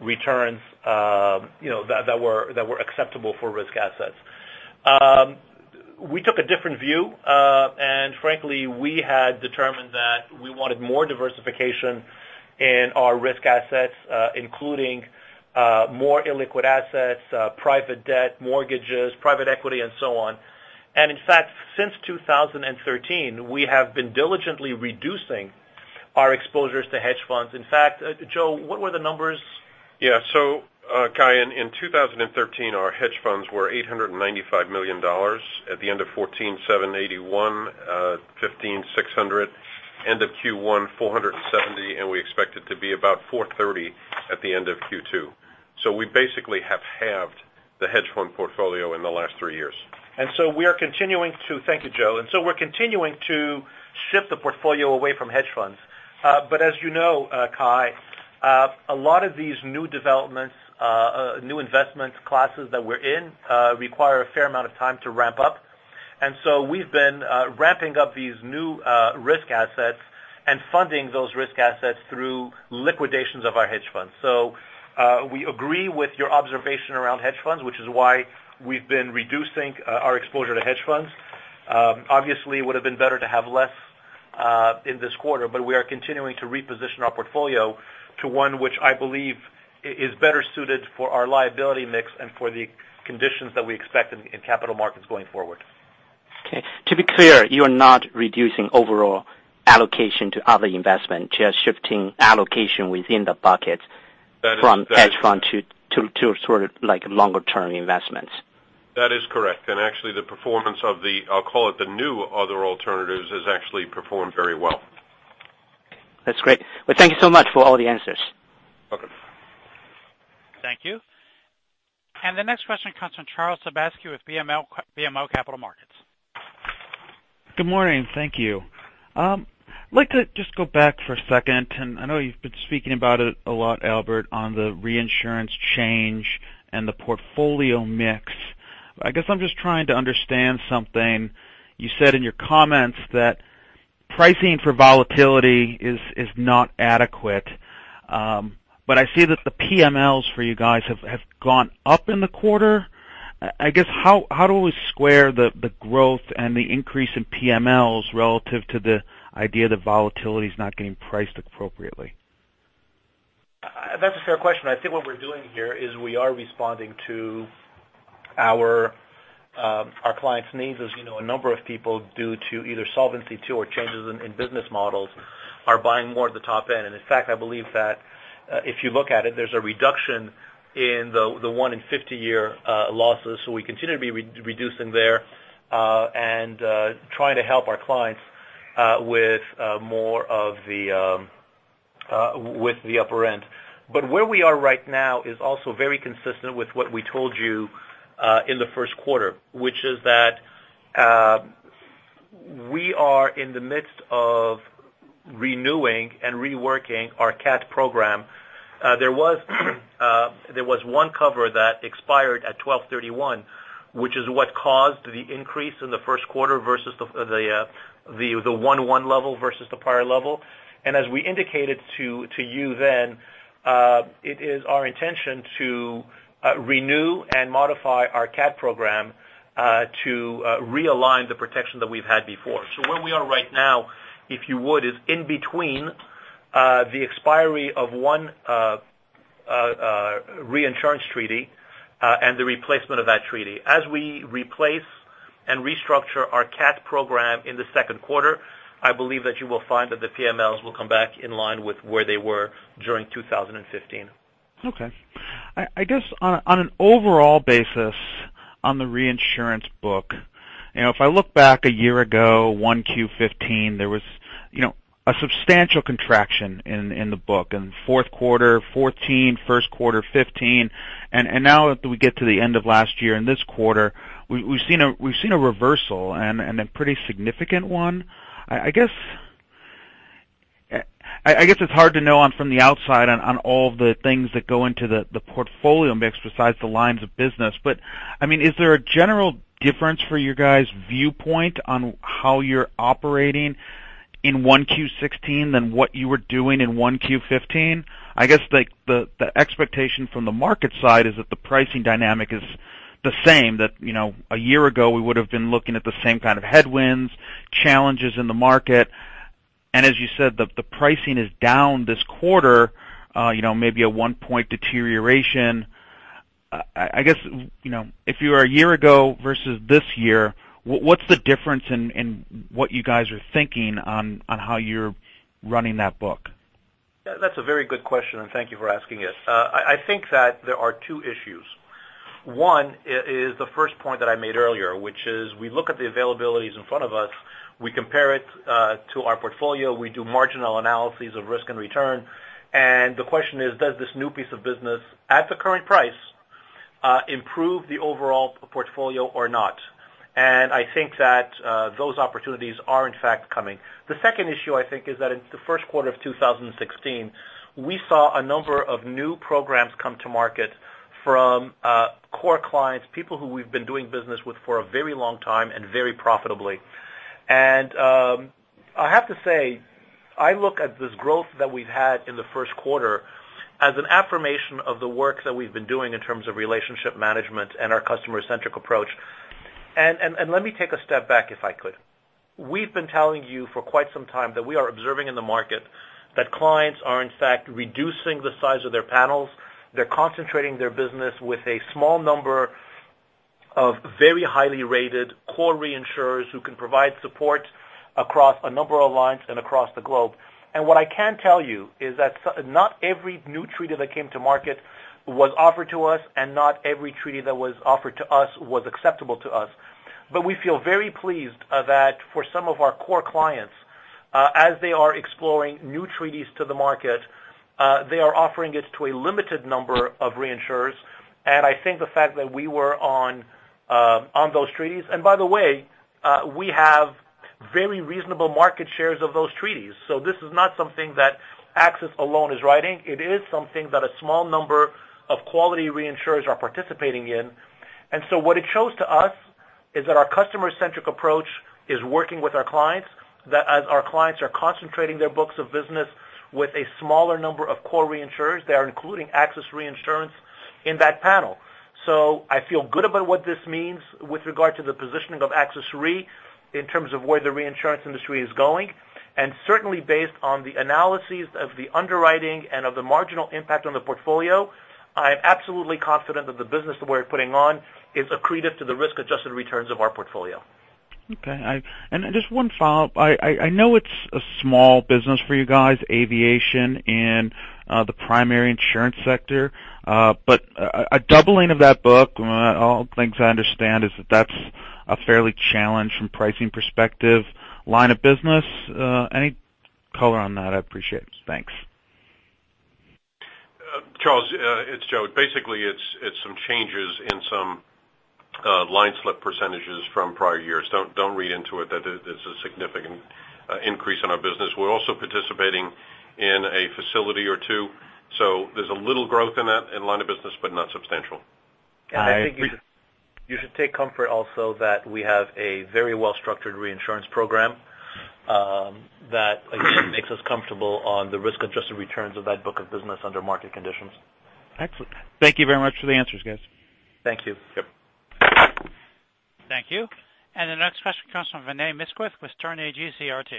returns that were acceptable for risk assets. We took a different view, and frankly, we had determined that we wanted more diversification in our risk assets, including more illiquid assets, private debt, mortgages, private equity, and so on. In fact, since 2013, we have been diligently reducing our exposures to hedge funds. In fact, Joe, what were the numbers? Yeah. Kai, in 2013, our hedge funds were $895 million. At the end of 2014, $781 million, 2015, $600 million, end of Q1, $470 million, and we expect it to be about $430 million at the end of Q2. We basically have halved the hedge fund portfolio in the last three years. Thank you, Joe. We're continuing to shift the portfolio away from hedge funds. As you know, Kai, a lot of these new developments, new investment classes that we're in, require a fair amount of time to ramp up. We've been ramping up these new risk assets and funding those risk assets through liquidations of our hedge funds. We agree with your observation around hedge funds, which is why we've been reducing our exposure to hedge funds. Obviously, it would've been better to have less in this quarter, but we are continuing to reposition our portfolio to one which I believe is better suited for our liability mix and for the conditions that we expect in capital markets going forward. Okay. To be clear, you're not reducing overall allocation to other investment, just shifting allocation within the bucket from hedge fund to sort of longer term investments? Actually, the performance of the, I'll call it, the new other alternatives, has actually performed very well. That's great. Well, thank you so much for all the answers. Welcome. Thank you. The next question comes from Charles Sebaski with BMO Capital Markets. Good morning. Thank you. I'd like to just go back for a second, and I know you've been speaking about it a lot, Albert, on the reinsurance change and the portfolio mix. I guess I'm just trying to understand something. You said in your comments that pricing for volatility is not adequate. I see that the PMLs for you guys have gone up in the quarter. I guess, how do we square the growth and the increase in PMLs relative to the idea that volatility is not getting priced appropriately? That's a fair question. I think what we're doing here is we are responding to our clients' needs, as you know, a number of people due to either Solvency II or changes in business models are buying more at the top end. In fact, I believe that if you look at it, there's a reduction in the one in 50-year losses. We continue to be reducing there, and trying to help our clients with the upper end. Where we are right now is also very consistent with what we told you in the first quarter, which is that we are in the midst of renewing and reworking our CAT program. There was one cover that expired at 12/31, which is what caused the increase in the first quarter versus the 1/1 level versus the prior level. As we indicated to you then, it is our intention to renew and modify our CAT program, to realign the protection that we've had before. Where we are right now, if you would, is in between the expiry of one reinsurance treaty, and the replacement of that treaty. As we replace and restructure our CAT program in the second quarter, I believe that you will find that the PMLs will come back in line with where they were during 2015. Okay. I guess on an overall basis on the reinsurance book, if I look back a year ago, 1Q 2015, there was a substantial contraction in the book in fourth quarter 2014, first quarter 2015. Now that we get to the end of last year and this quarter, we've seen a reversal and a pretty significant one. I guess it's hard to know from the outside on all of the things that go into the portfolio mix besides the lines of business. Is there a general difference for you guys' viewpoint on how you're operating in 1Q 2016 than what you were doing in 1Q 2015? I guess the expectation from the market side is that the pricing dynamic is the same, that a year ago we would've been looking at the same kind of headwinds, challenges in the market, as you said, the pricing is down this quarter, maybe a one-point deterioration. I guess, if you were a year ago versus this year, what's the difference in what you guys are thinking on how you're running that book? That's a very good question, thank you for asking it. I think that there are two issues. One is the first point that I made earlier, which is we look at the availabilities in front of us, we compare it to our portfolio, we do marginal analyses of risk and return, the question is, does this new piece of business, at the current price, improve the overall portfolio or not? I think that those opportunities are in fact coming. The second issue, I think, is that in the first quarter of 2016, we saw a number of new programs come to market from core clients, people who we've been doing business with for a very long time and very profitably. I have to say, I look at this growth that we've had in the first quarter as an affirmation of the work that we've been doing in terms of relationship management and our customer-centric approach. Let me take a step back, if I could. We've been telling you for quite some time that we are observing in the market that clients are in fact reducing the size of their panels. They're concentrating their business with a small number of very highly rated core reinsurers who can provide support across a number of lines and across the globe. What I can tell you is that not every new treaty that came to market was offered to us, and not every treaty that was offered to us was acceptable to us. We feel very pleased that for some of our core clients, as they are exploring new treaties to the market, they are offering it to a limited number of reinsurers. I think the fact that we were on those treaties, and by the way, we have very reasonable market shares of those treaties. This is not something that AXIS alone is writing. It is something that a small number of quality reinsurers are participating in. What it shows to us is that our customer-centric approach is working with our clients, that as our clients are concentrating their books of business with a smaller number of core reinsurers, they are including AXIS Reinsurance in that panel. I feel good about what this means with regard to the positioning of AXIS Re in terms of where the reinsurance industry is going. based on the analyses of the underwriting and of the marginal impact on the portfolio, I am absolutely confident that the business that we're putting on is accretive to the risk-adjusted returns of our portfolio. Okay. Just one follow-up. I know it's a small business for you guys, aviation and the primary insurance sector, but a doubling of that book, all things I understand, is that that's a fairly challenged from pricing perspective line of business. Any color on that, I'd appreciate. Thanks. Charles, it's Joe. Basically, it's some changes in some line slip percentages from prior years. Don't read into it that it's a significant increase in our business. We're also participating in a facility or two, so there's a little growth in that in line of business, but not substantial. I think you should take comfort also that we have a very well-structured reinsurance program that again, makes us comfortable on the risk-adjusted returns of that book of business under market conditions. Excellent. Thank you very much for the answers, guys. Thank you. Yep. Thank you. The next question comes from Vinay Misquith with Sterne Agee CRT.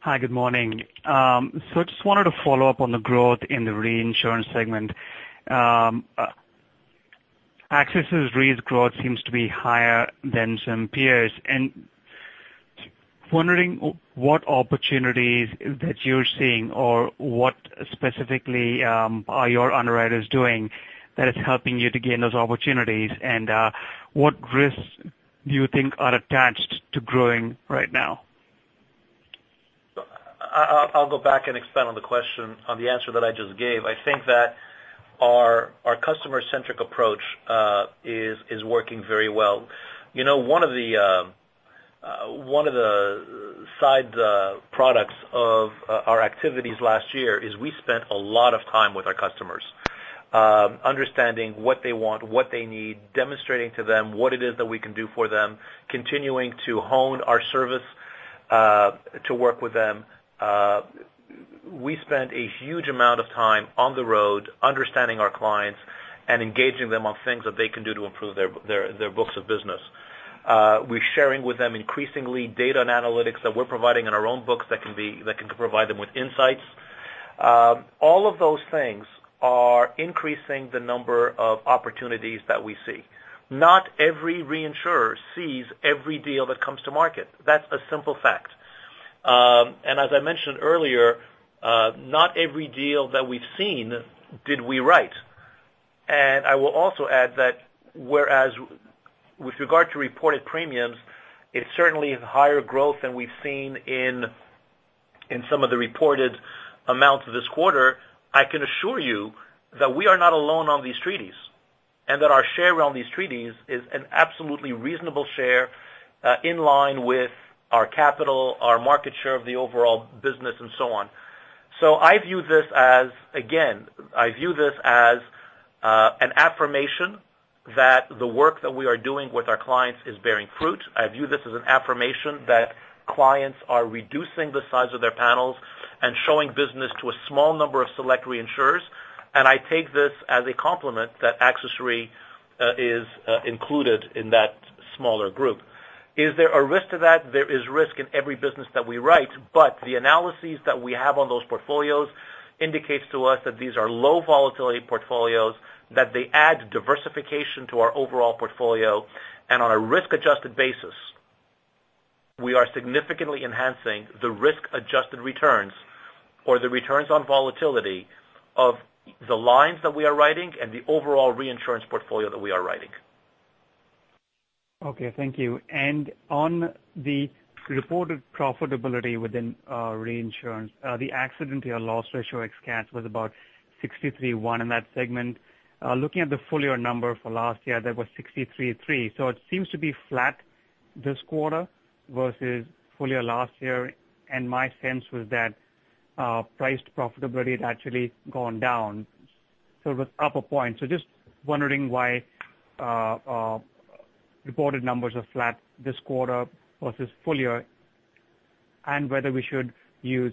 Hi, good morning. I just wanted to follow up on the growth in the reinsurance segment. AXIS Re's growth seems to be higher than some peers, and wondering what opportunities that you're seeing or what specifically are your underwriters doing that is helping you to gain those opportunities, and what risks do you think are attached to growing right now? I'll go back and expand on the answer that I just gave. I think that our customer-centric approach is working very well. One of the side products of our activities last year is we spent a lot of time with our customers, understanding what they want, what they need, demonstrating to them what it is that we can do for them, continuing to hone our service to work with them. We spent a huge amount of time on the road understanding our clients and engaging them on things that they can do to improve their books of business. We're sharing with them increasingly data and analytics that we're providing in our own books that can provide them with insights. All of those things are increasing the number of opportunities that we see. Not every reinsurer sees every deal that comes to market. That's a simple fact. As I mentioned earlier, not every deal that we've seen did we write. I will also add that whereas with regard to reported premiums, it certainly is higher growth than we've seen in some of the reported amounts this quarter. I can assure you that we are not alone on these treaties. Our share around these treaties is an absolutely reasonable share in line with our capital, our market share of the overall business, and so on. I view this as, again, I view this as an affirmation that the work that we are doing with our clients is bearing fruit. I view this as an affirmation that clients are reducing the size of their panels and showing business to a small number of select reinsurers, and I take this as a compliment that AXIS Re is included in that smaller group. Is there a risk to that? There is risk in every business that we write, but the analyses that we have on those portfolios indicates to us that these are low volatility portfolios, that they add diversification to our overall portfolio, and on a risk-adjusted basis, we are significantly enhancing the risk-adjusted returns or the returns on volatility of the lines that we are writing and the overall reinsurance portfolio that we are writing. Okay, thank you. On the reported profitability within reinsurance, the accident year loss ratio ex CAT was about 63.1 in that segment. Looking at the full year number for last year, that was 63.3. It seems to be flat this quarter versus full year last year, and my sense was that priced profitability had actually gone down, so it was up one point. Just wondering why reported numbers are flat this quarter versus full year and whether we should use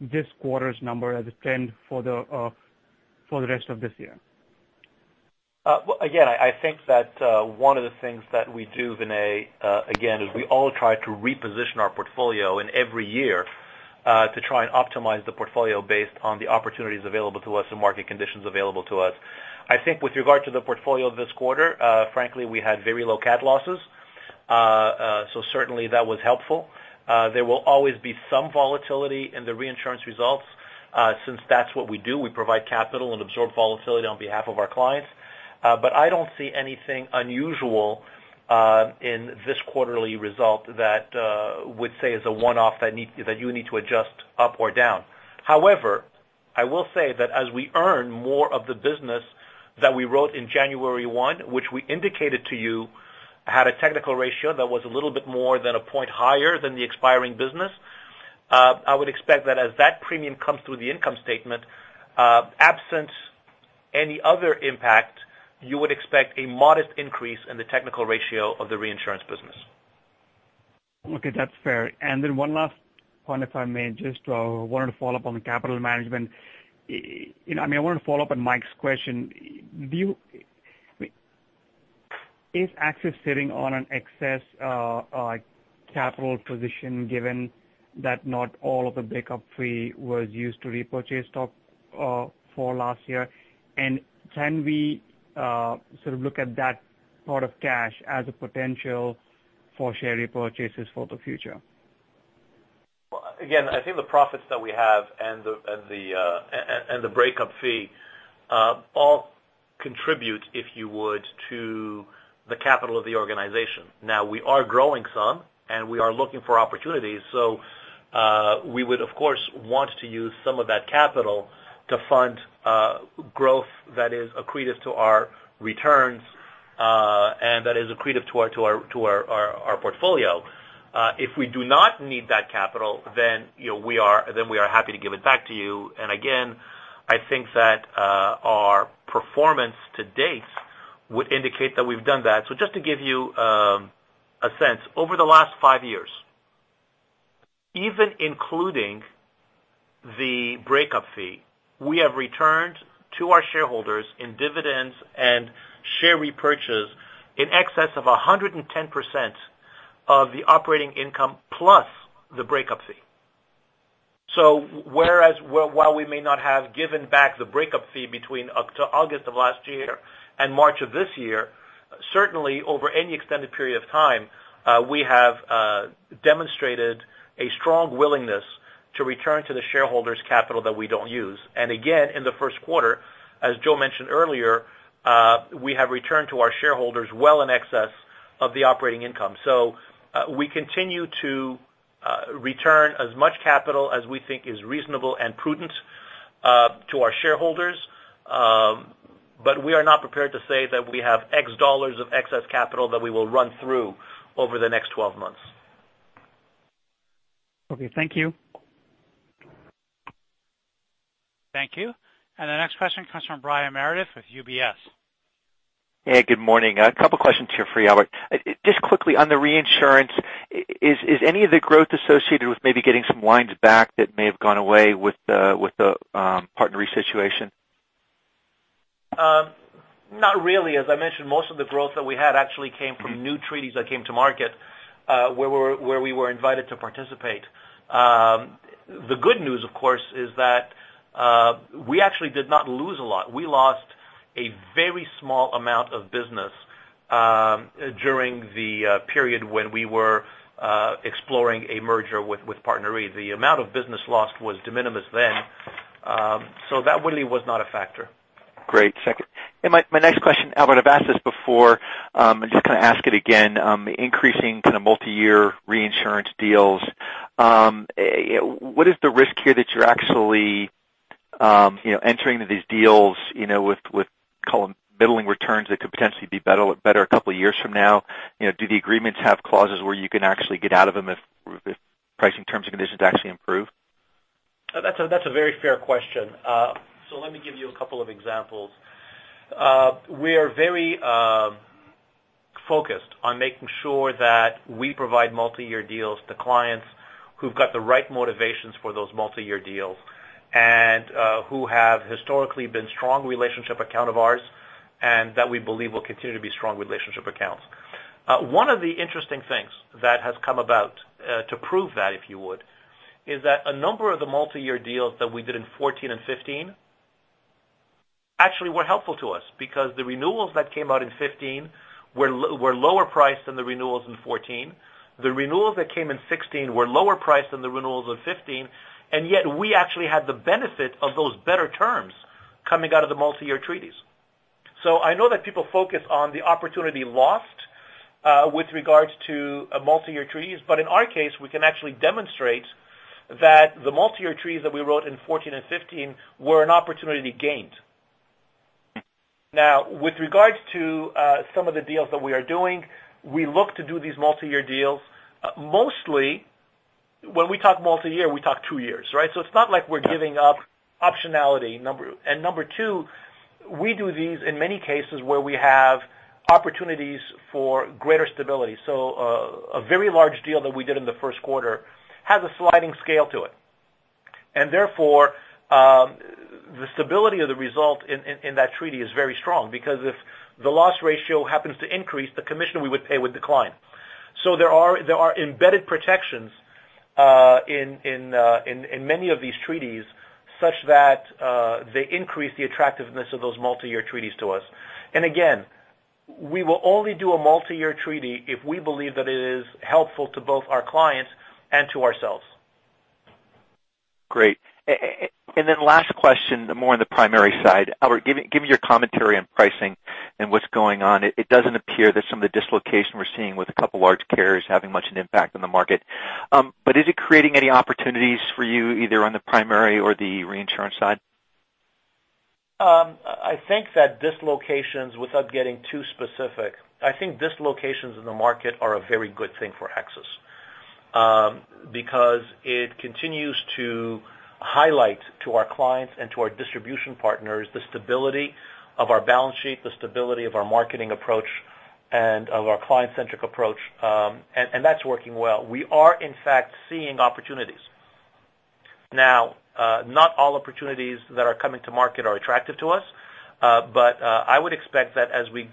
this quarter's number as a trend for the rest of this year. I think that one of the things that we do, Vinay, again, is we all try to reposition our portfolio in every year to try and optimize the portfolio based on the opportunities available to us and market conditions available to us. I think with regard to the portfolio this quarter, frankly, we had very low CAT losses. Certainly that was helpful. There will always be some volatility in the reinsurance results since that's what we do. We provide capital and absorb volatility on behalf of our clients. I don't see anything unusual in this quarterly result that would say is a one-off that you need to adjust up or down. However, I will say that as we earn more of the business that we wrote in January one, which we indicated to you had a technical ratio that was a little bit more than a point higher than the expiring business, I would expect that as that premium comes through the income statement, absent any other impact, you would expect a modest increase in the technical ratio of the reinsurance business. Okay, that's fair. Then one last point, if I may, just wanted to follow up on the capital management. I wanted to follow up on Mike's question. Is AXIS sitting on an excess capital position given that not all of the breakup fee was used to repurchase stock for last year? Can we sort of look at that part of cash as a potential for share repurchases for the future? Again, I think the profits that we have and the breakup fee all contribute, if you would, to the capital of the organization. Now, we are growing some, and we are looking for opportunities. We would, of course, want to use some of that capital to fund growth that is accretive to our returns, and that is accretive to our portfolio. If we do not need that capital, we are happy to give it back to you. Again, I think that our performance to date would indicate that we've done that. Just to give you a sense, over the last five years, even including the breakup fee, we have returned to our shareholders in dividends and share repurchase in excess of 110% of the operating income plus the breakup fee. While we may not have given back the breakup fee between up to August of last year and March of this year, certainly over any extended period of time, we have demonstrated a strong willingness to return to the shareholders capital that we don't use. Again, in the first quarter, as Joe mentioned earlier, we have returned to our shareholders well in excess of the operating income. We continue to return as much capital as we think is reasonable and prudent to our shareholders, but we are not prepared to say that we have X dollars of excess capital that we will run through over the next 12 months. Okay, thank you. Thank you. The next question comes from Brian Meredith with UBS. Hey, good morning. A couple questions here for you, Albert. Just quickly on the reinsurance, is any of the growth associated with maybe getting some lines back that may have gone away with the PartnerRe situation? Not really. As I mentioned, most of the growth that we had actually came from new treaties that came to market where we were invited to participate. The good news, of course, is that we actually did not lose a lot. We lost a very small amount of business during the period when we were exploring a merger with PartnerRe. The amount of business lost was de minimis then. That really was not a factor. Great. Second. My next question, Albert, increasing kind of multi-year reinsurance deals. What is the risk here that you're actually entering into these deals with call them middling returns that could potentially be better a couple of years from now? Do the agreements have clauses where you can actually get out of them if pricing terms and conditions actually improve? That's a very fair question. Let me give you a couple of examples. We are very focused on making sure that we provide multi-year deals to clients who've got the right motivations for those multi-year deals, and who have historically been strong relationship account of ours, and that we believe will continue to be strong relationship accounts. One of the interesting things that has come about to prove that, if you would, is that a number of the multi-year deals that we did in 2014 and 2015 actually were helpful to us because the renewals that came out in 2015 were lower priced than the renewals in 2014. The renewals that came in 2016 were lower priced than the renewals of 2015, yet we actually had the benefit of those better terms coming out of the multi-year treaties. I know that people focus on the opportunity lost with regards to multi-year treaties, in our case, we can actually demonstrate that the multi-year treaties that we wrote in 2014 and 2015 were an opportunity gained. With regards to some of the deals that we are doing, we look to do these multi-year deals. Mostly when we talk multi-year, we talk 2 years, right? It's not like we're giving up optionality, number two, we do these in many cases where we have opportunities for greater stability. A very large deal that we did in the first quarter has a sliding scale to it. Therefore, the stability of the result in that treaty is very strong, because if the loss ratio happens to increase, the commission we would pay would decline. There are embedded protections in many of these treaties such that they increase the attractiveness of those multi-year treaties to us. Again, we will only do a multi-year treaty if we believe that it is helpful to both our clients and to ourselves. Great. Last question, more on the primary side. Albert, give me your commentary on pricing and what's going on. It doesn't appear that some of the dislocation we're seeing with a couple large carriers having much an impact on the market. Is it creating any opportunities for you, either on the primary or the reinsurance side? I think that dislocations, without getting too specific, I think dislocations in the market are a very good thing for AXIS. It continues to highlight to our clients and to our distribution partners the stability of our balance sheet, the stability of our marketing approach, and of our client-centric approach. That's working well. We are, in fact, seeing opportunities. Not all opportunities that are coming to market are attractive to us. I would expect that as we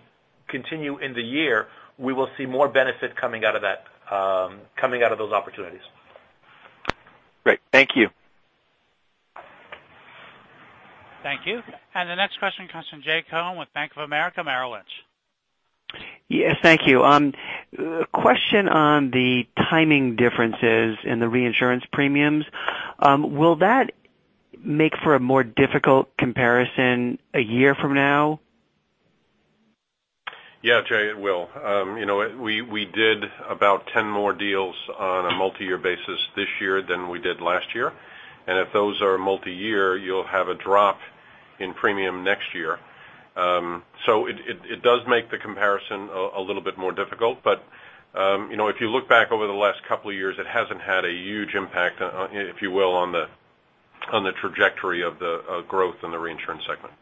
continue in the year, we will see more benefit coming out of those opportunities. Great. Thank you. Thank you. The next question comes from Jay Cohen with Bank of America Merrill Lynch. Yes, thank you. Question on the timing differences in the reinsurance premiums. Will that make for a more difficult comparison a year from now? Yeah, Jay, it will. We did about 10 more deals on a multi-year basis this year than we did last year, and if those are multi-year, you'll have a drop in premium next year. It does make the comparison a little bit more difficult, but if you look back over the last couple of years, it hasn't had a huge impact, if you will, on the trajectory of growth in the reinsurance segment.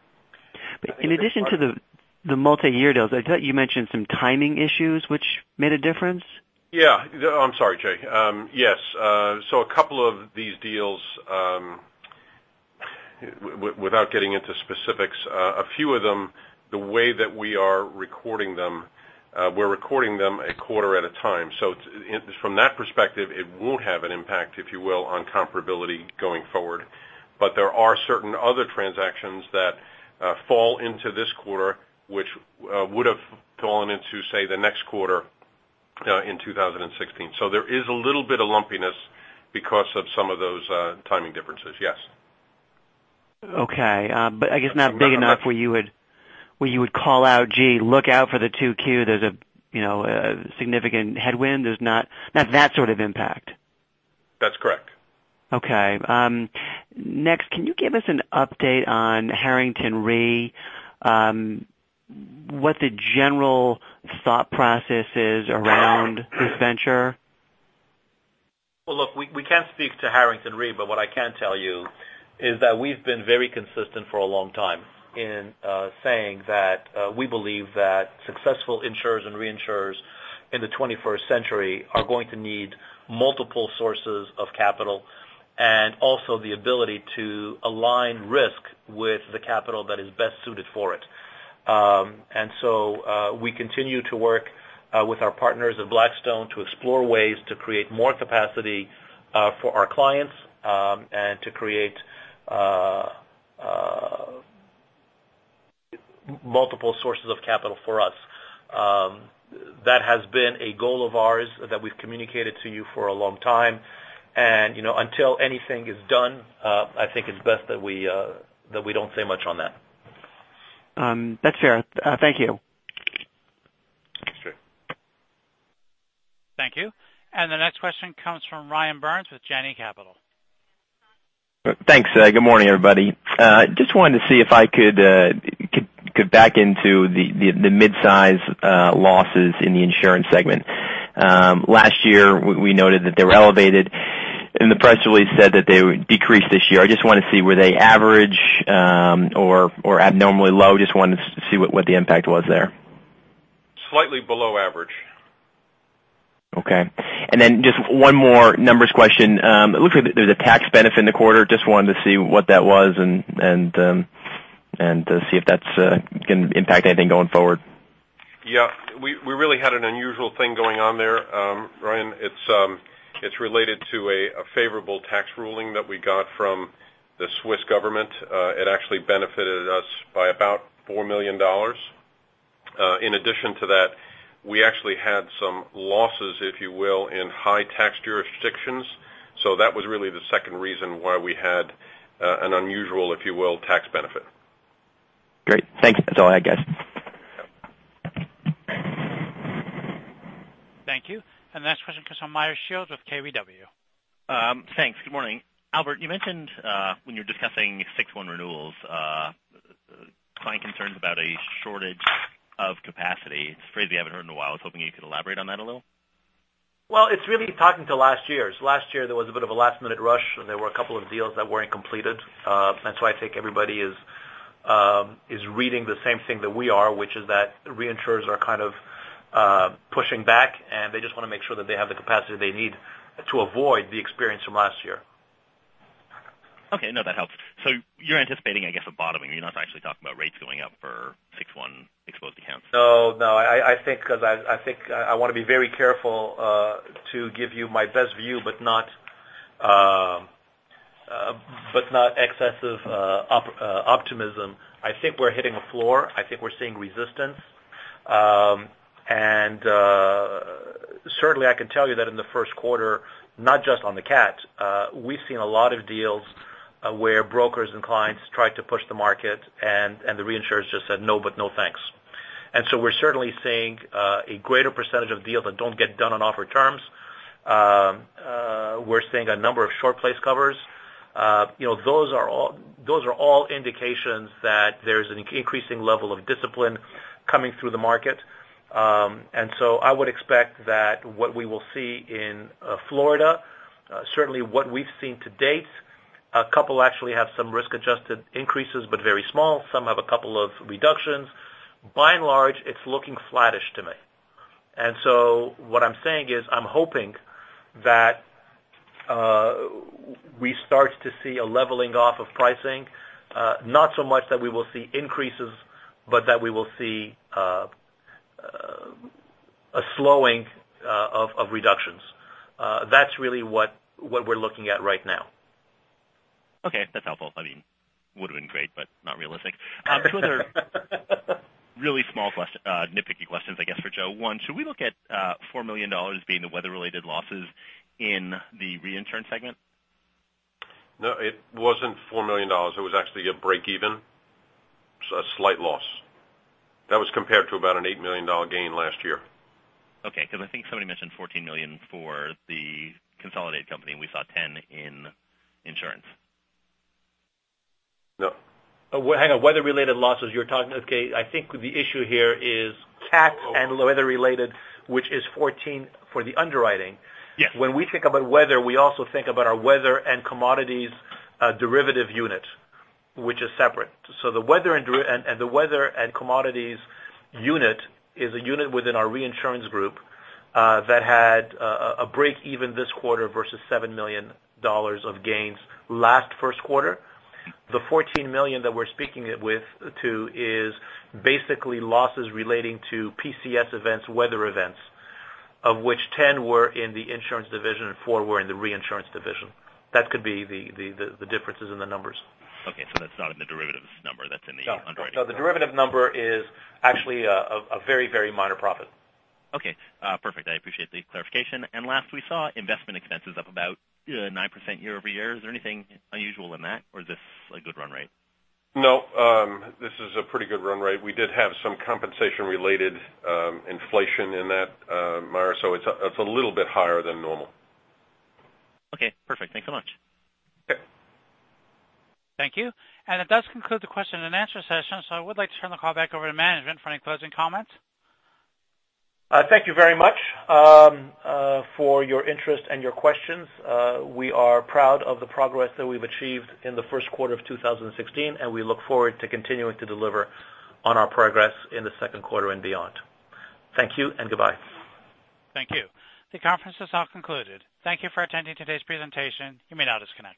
In addition to the multi-year deals, I thought you mentioned some timing issues which made a difference? Yeah. I'm sorry, Jay. Yes. A couple of these deals, without getting into specifics, a few of them, the way that we are recording them, we're recording them a quarter at a time. From that perspective, it will have an impact, if you will, on comparability going forward. There are certain other transactions that fall into this quarter which would've fallen into, say, the next quarter in 2016. There is a little bit of lumpiness because of some of those timing differences. Yes. Okay. I guess not big enough where you would call out, "Gee, look out for the 2Q, there's a significant headwind." Not that sort of impact. That's correct. Okay. Next, can you give us an update on Harrington Re? What the general thought process is around this venture? Well, look, we can't speak to Harrington Re, but what I can tell you is that we've been very consistent for a long time in saying that we believe that successful insurers and reinsurers in the 21st century are going to need multiple sources of capital and also the ability to align risk with the capital that is best suited for it. We continue to work with our partners at Blackstone to explore ways to create more capacity for our clients, and to create multiple sources of capital for us. That has been a goal of ours that we've communicated to you for a long time. Until anything is done, I think it's best that we don't say much on that. That's fair. Thank you. Thanks, Jay. Thank you. The next question comes from Ryan Burns with Janney Capital. Thanks. Good morning, everybody. Just wanted to see if I could get back into the mid-size losses in the insurance segment. Last year, we noted that they were elevated, and the press release said that they decreased this year. I just want to see, were they average or abnormally low? Just wanted to see what the impact was there. Slightly below average. Okay. Just one more numbers question. It looks like there's a tax benefit in the quarter. Just wanted to see what that was and to see if that's going to impact anything going forward. Yeah. We really had an unusual thing going on there, Ryan. It's related to a favorable tax ruling that we got from the Swiss government. It actually benefited us by about $4 million. In addition to that, we actually had some losses, if you will, in high tax jurisdictions. That was really the second reason why we had an unusual, if you will, tax benefit. Great. Thanks. That's all I had, guys. Yep. Thank you. The next question comes from Meyer Shields with KBW. Thanks. Good morning. Albert, you mentioned when you were discussing 6-1 renewals, client concerns about a shortage of capacity. It's a phrase we haven't heard in a while. I was hoping you could elaborate on that a little. Well, it's really talking to last year's. Last year, there was a bit of a last-minute rush, and there were a couple of deals that weren't completed. That's why I think everybody is reading the same thing that we are, which is that reinsurers are kind of pushing back, and they just want to make sure that they have the capacity they need to avoid the experience from last year. Okay. No, that helps. You're anticipating, I guess, a bottoming. You're not actually talking about rates going up for 6-1 exposed accounts. No, I think because I want to be very careful to give you my best view, but not excessive optimism. I think we're hitting a floor. I think we're seeing resistance. Certainly, I can tell you that in the first quarter, not just on the CAT, we've seen a lot of deals where brokers and clients tried to push the market, and the reinsurers just said, "No, but no, thanks." We're certainly seeing a greater percentage of deals that don't get done on offered terms. We're seeing a number of short-placed covers. Those are all indications that there's an increasing level of discipline coming through the market. I would expect that what we will see in Florida, certainly what we've seen to date, a couple actually have some risk-adjusted increases, but very small. Some have a couple of reductions. By and large, it's looking flattish to me. What I'm saying is I'm hoping that we start to see a leveling off of pricing. Not so much that we will see increases, but that we will see a slowing of reductions. That's really what we're looking at right now. Okay, that's helpful. I mean, would've been great, but not realistic. Two other really small nitpicky questions, I guess, for Joe. One, should we look at $4 million being the weather-related losses in the reinsurance segment? No, it wasn't $4 million. It was actually a break even. A slight loss. That was compared to about an $8 million gain last year. Okay, I think somebody mentioned $14 million for the consolidated company, and we saw 10 in insurance. No. Hang on. Weather-related losses you're talking. Okay, I think the issue here is CAT and weather-related, which is $14 for the underwriting. Yes. When we think about weather, we also think about our weather and commodities derivative unit, which is separate. The weather and commodities unit is a unit within our reinsurance group that had a break even this quarter versus $7 million of gains last first quarter. The $14 million that we're speaking with to is basically losses relating to PCS events, weather events, of which 10 were in the insurance division and four were in the reinsurance division. That could be the differences in the numbers. Okay, that's not in the derivatives number, that's in the underwriting. No. The derivative number is actually a very minor profit. Okay, perfect. I appreciate the clarification. Last, we saw investment expenses up about 9% year-over-year. Is there anything unusual in that, or is this a good run rate? No, this is a pretty good run rate. We did have some compensation-related inflation in that, Meyer, so it's a little bit higher than normal. Okay, perfect. Thanks so much. Okay. Thank you. That does conclude the question and answer session. I would like to turn the call back over to management for any closing comments. Thank you very much for your interest and your questions. We are proud of the progress that we've achieved in the first quarter of 2016, and we look forward to continuing to deliver on our progress in the second quarter and beyond. Thank you and goodbye. Thank you. The conference is now concluded. Thank you for attending today's presentation. You may now disconnect.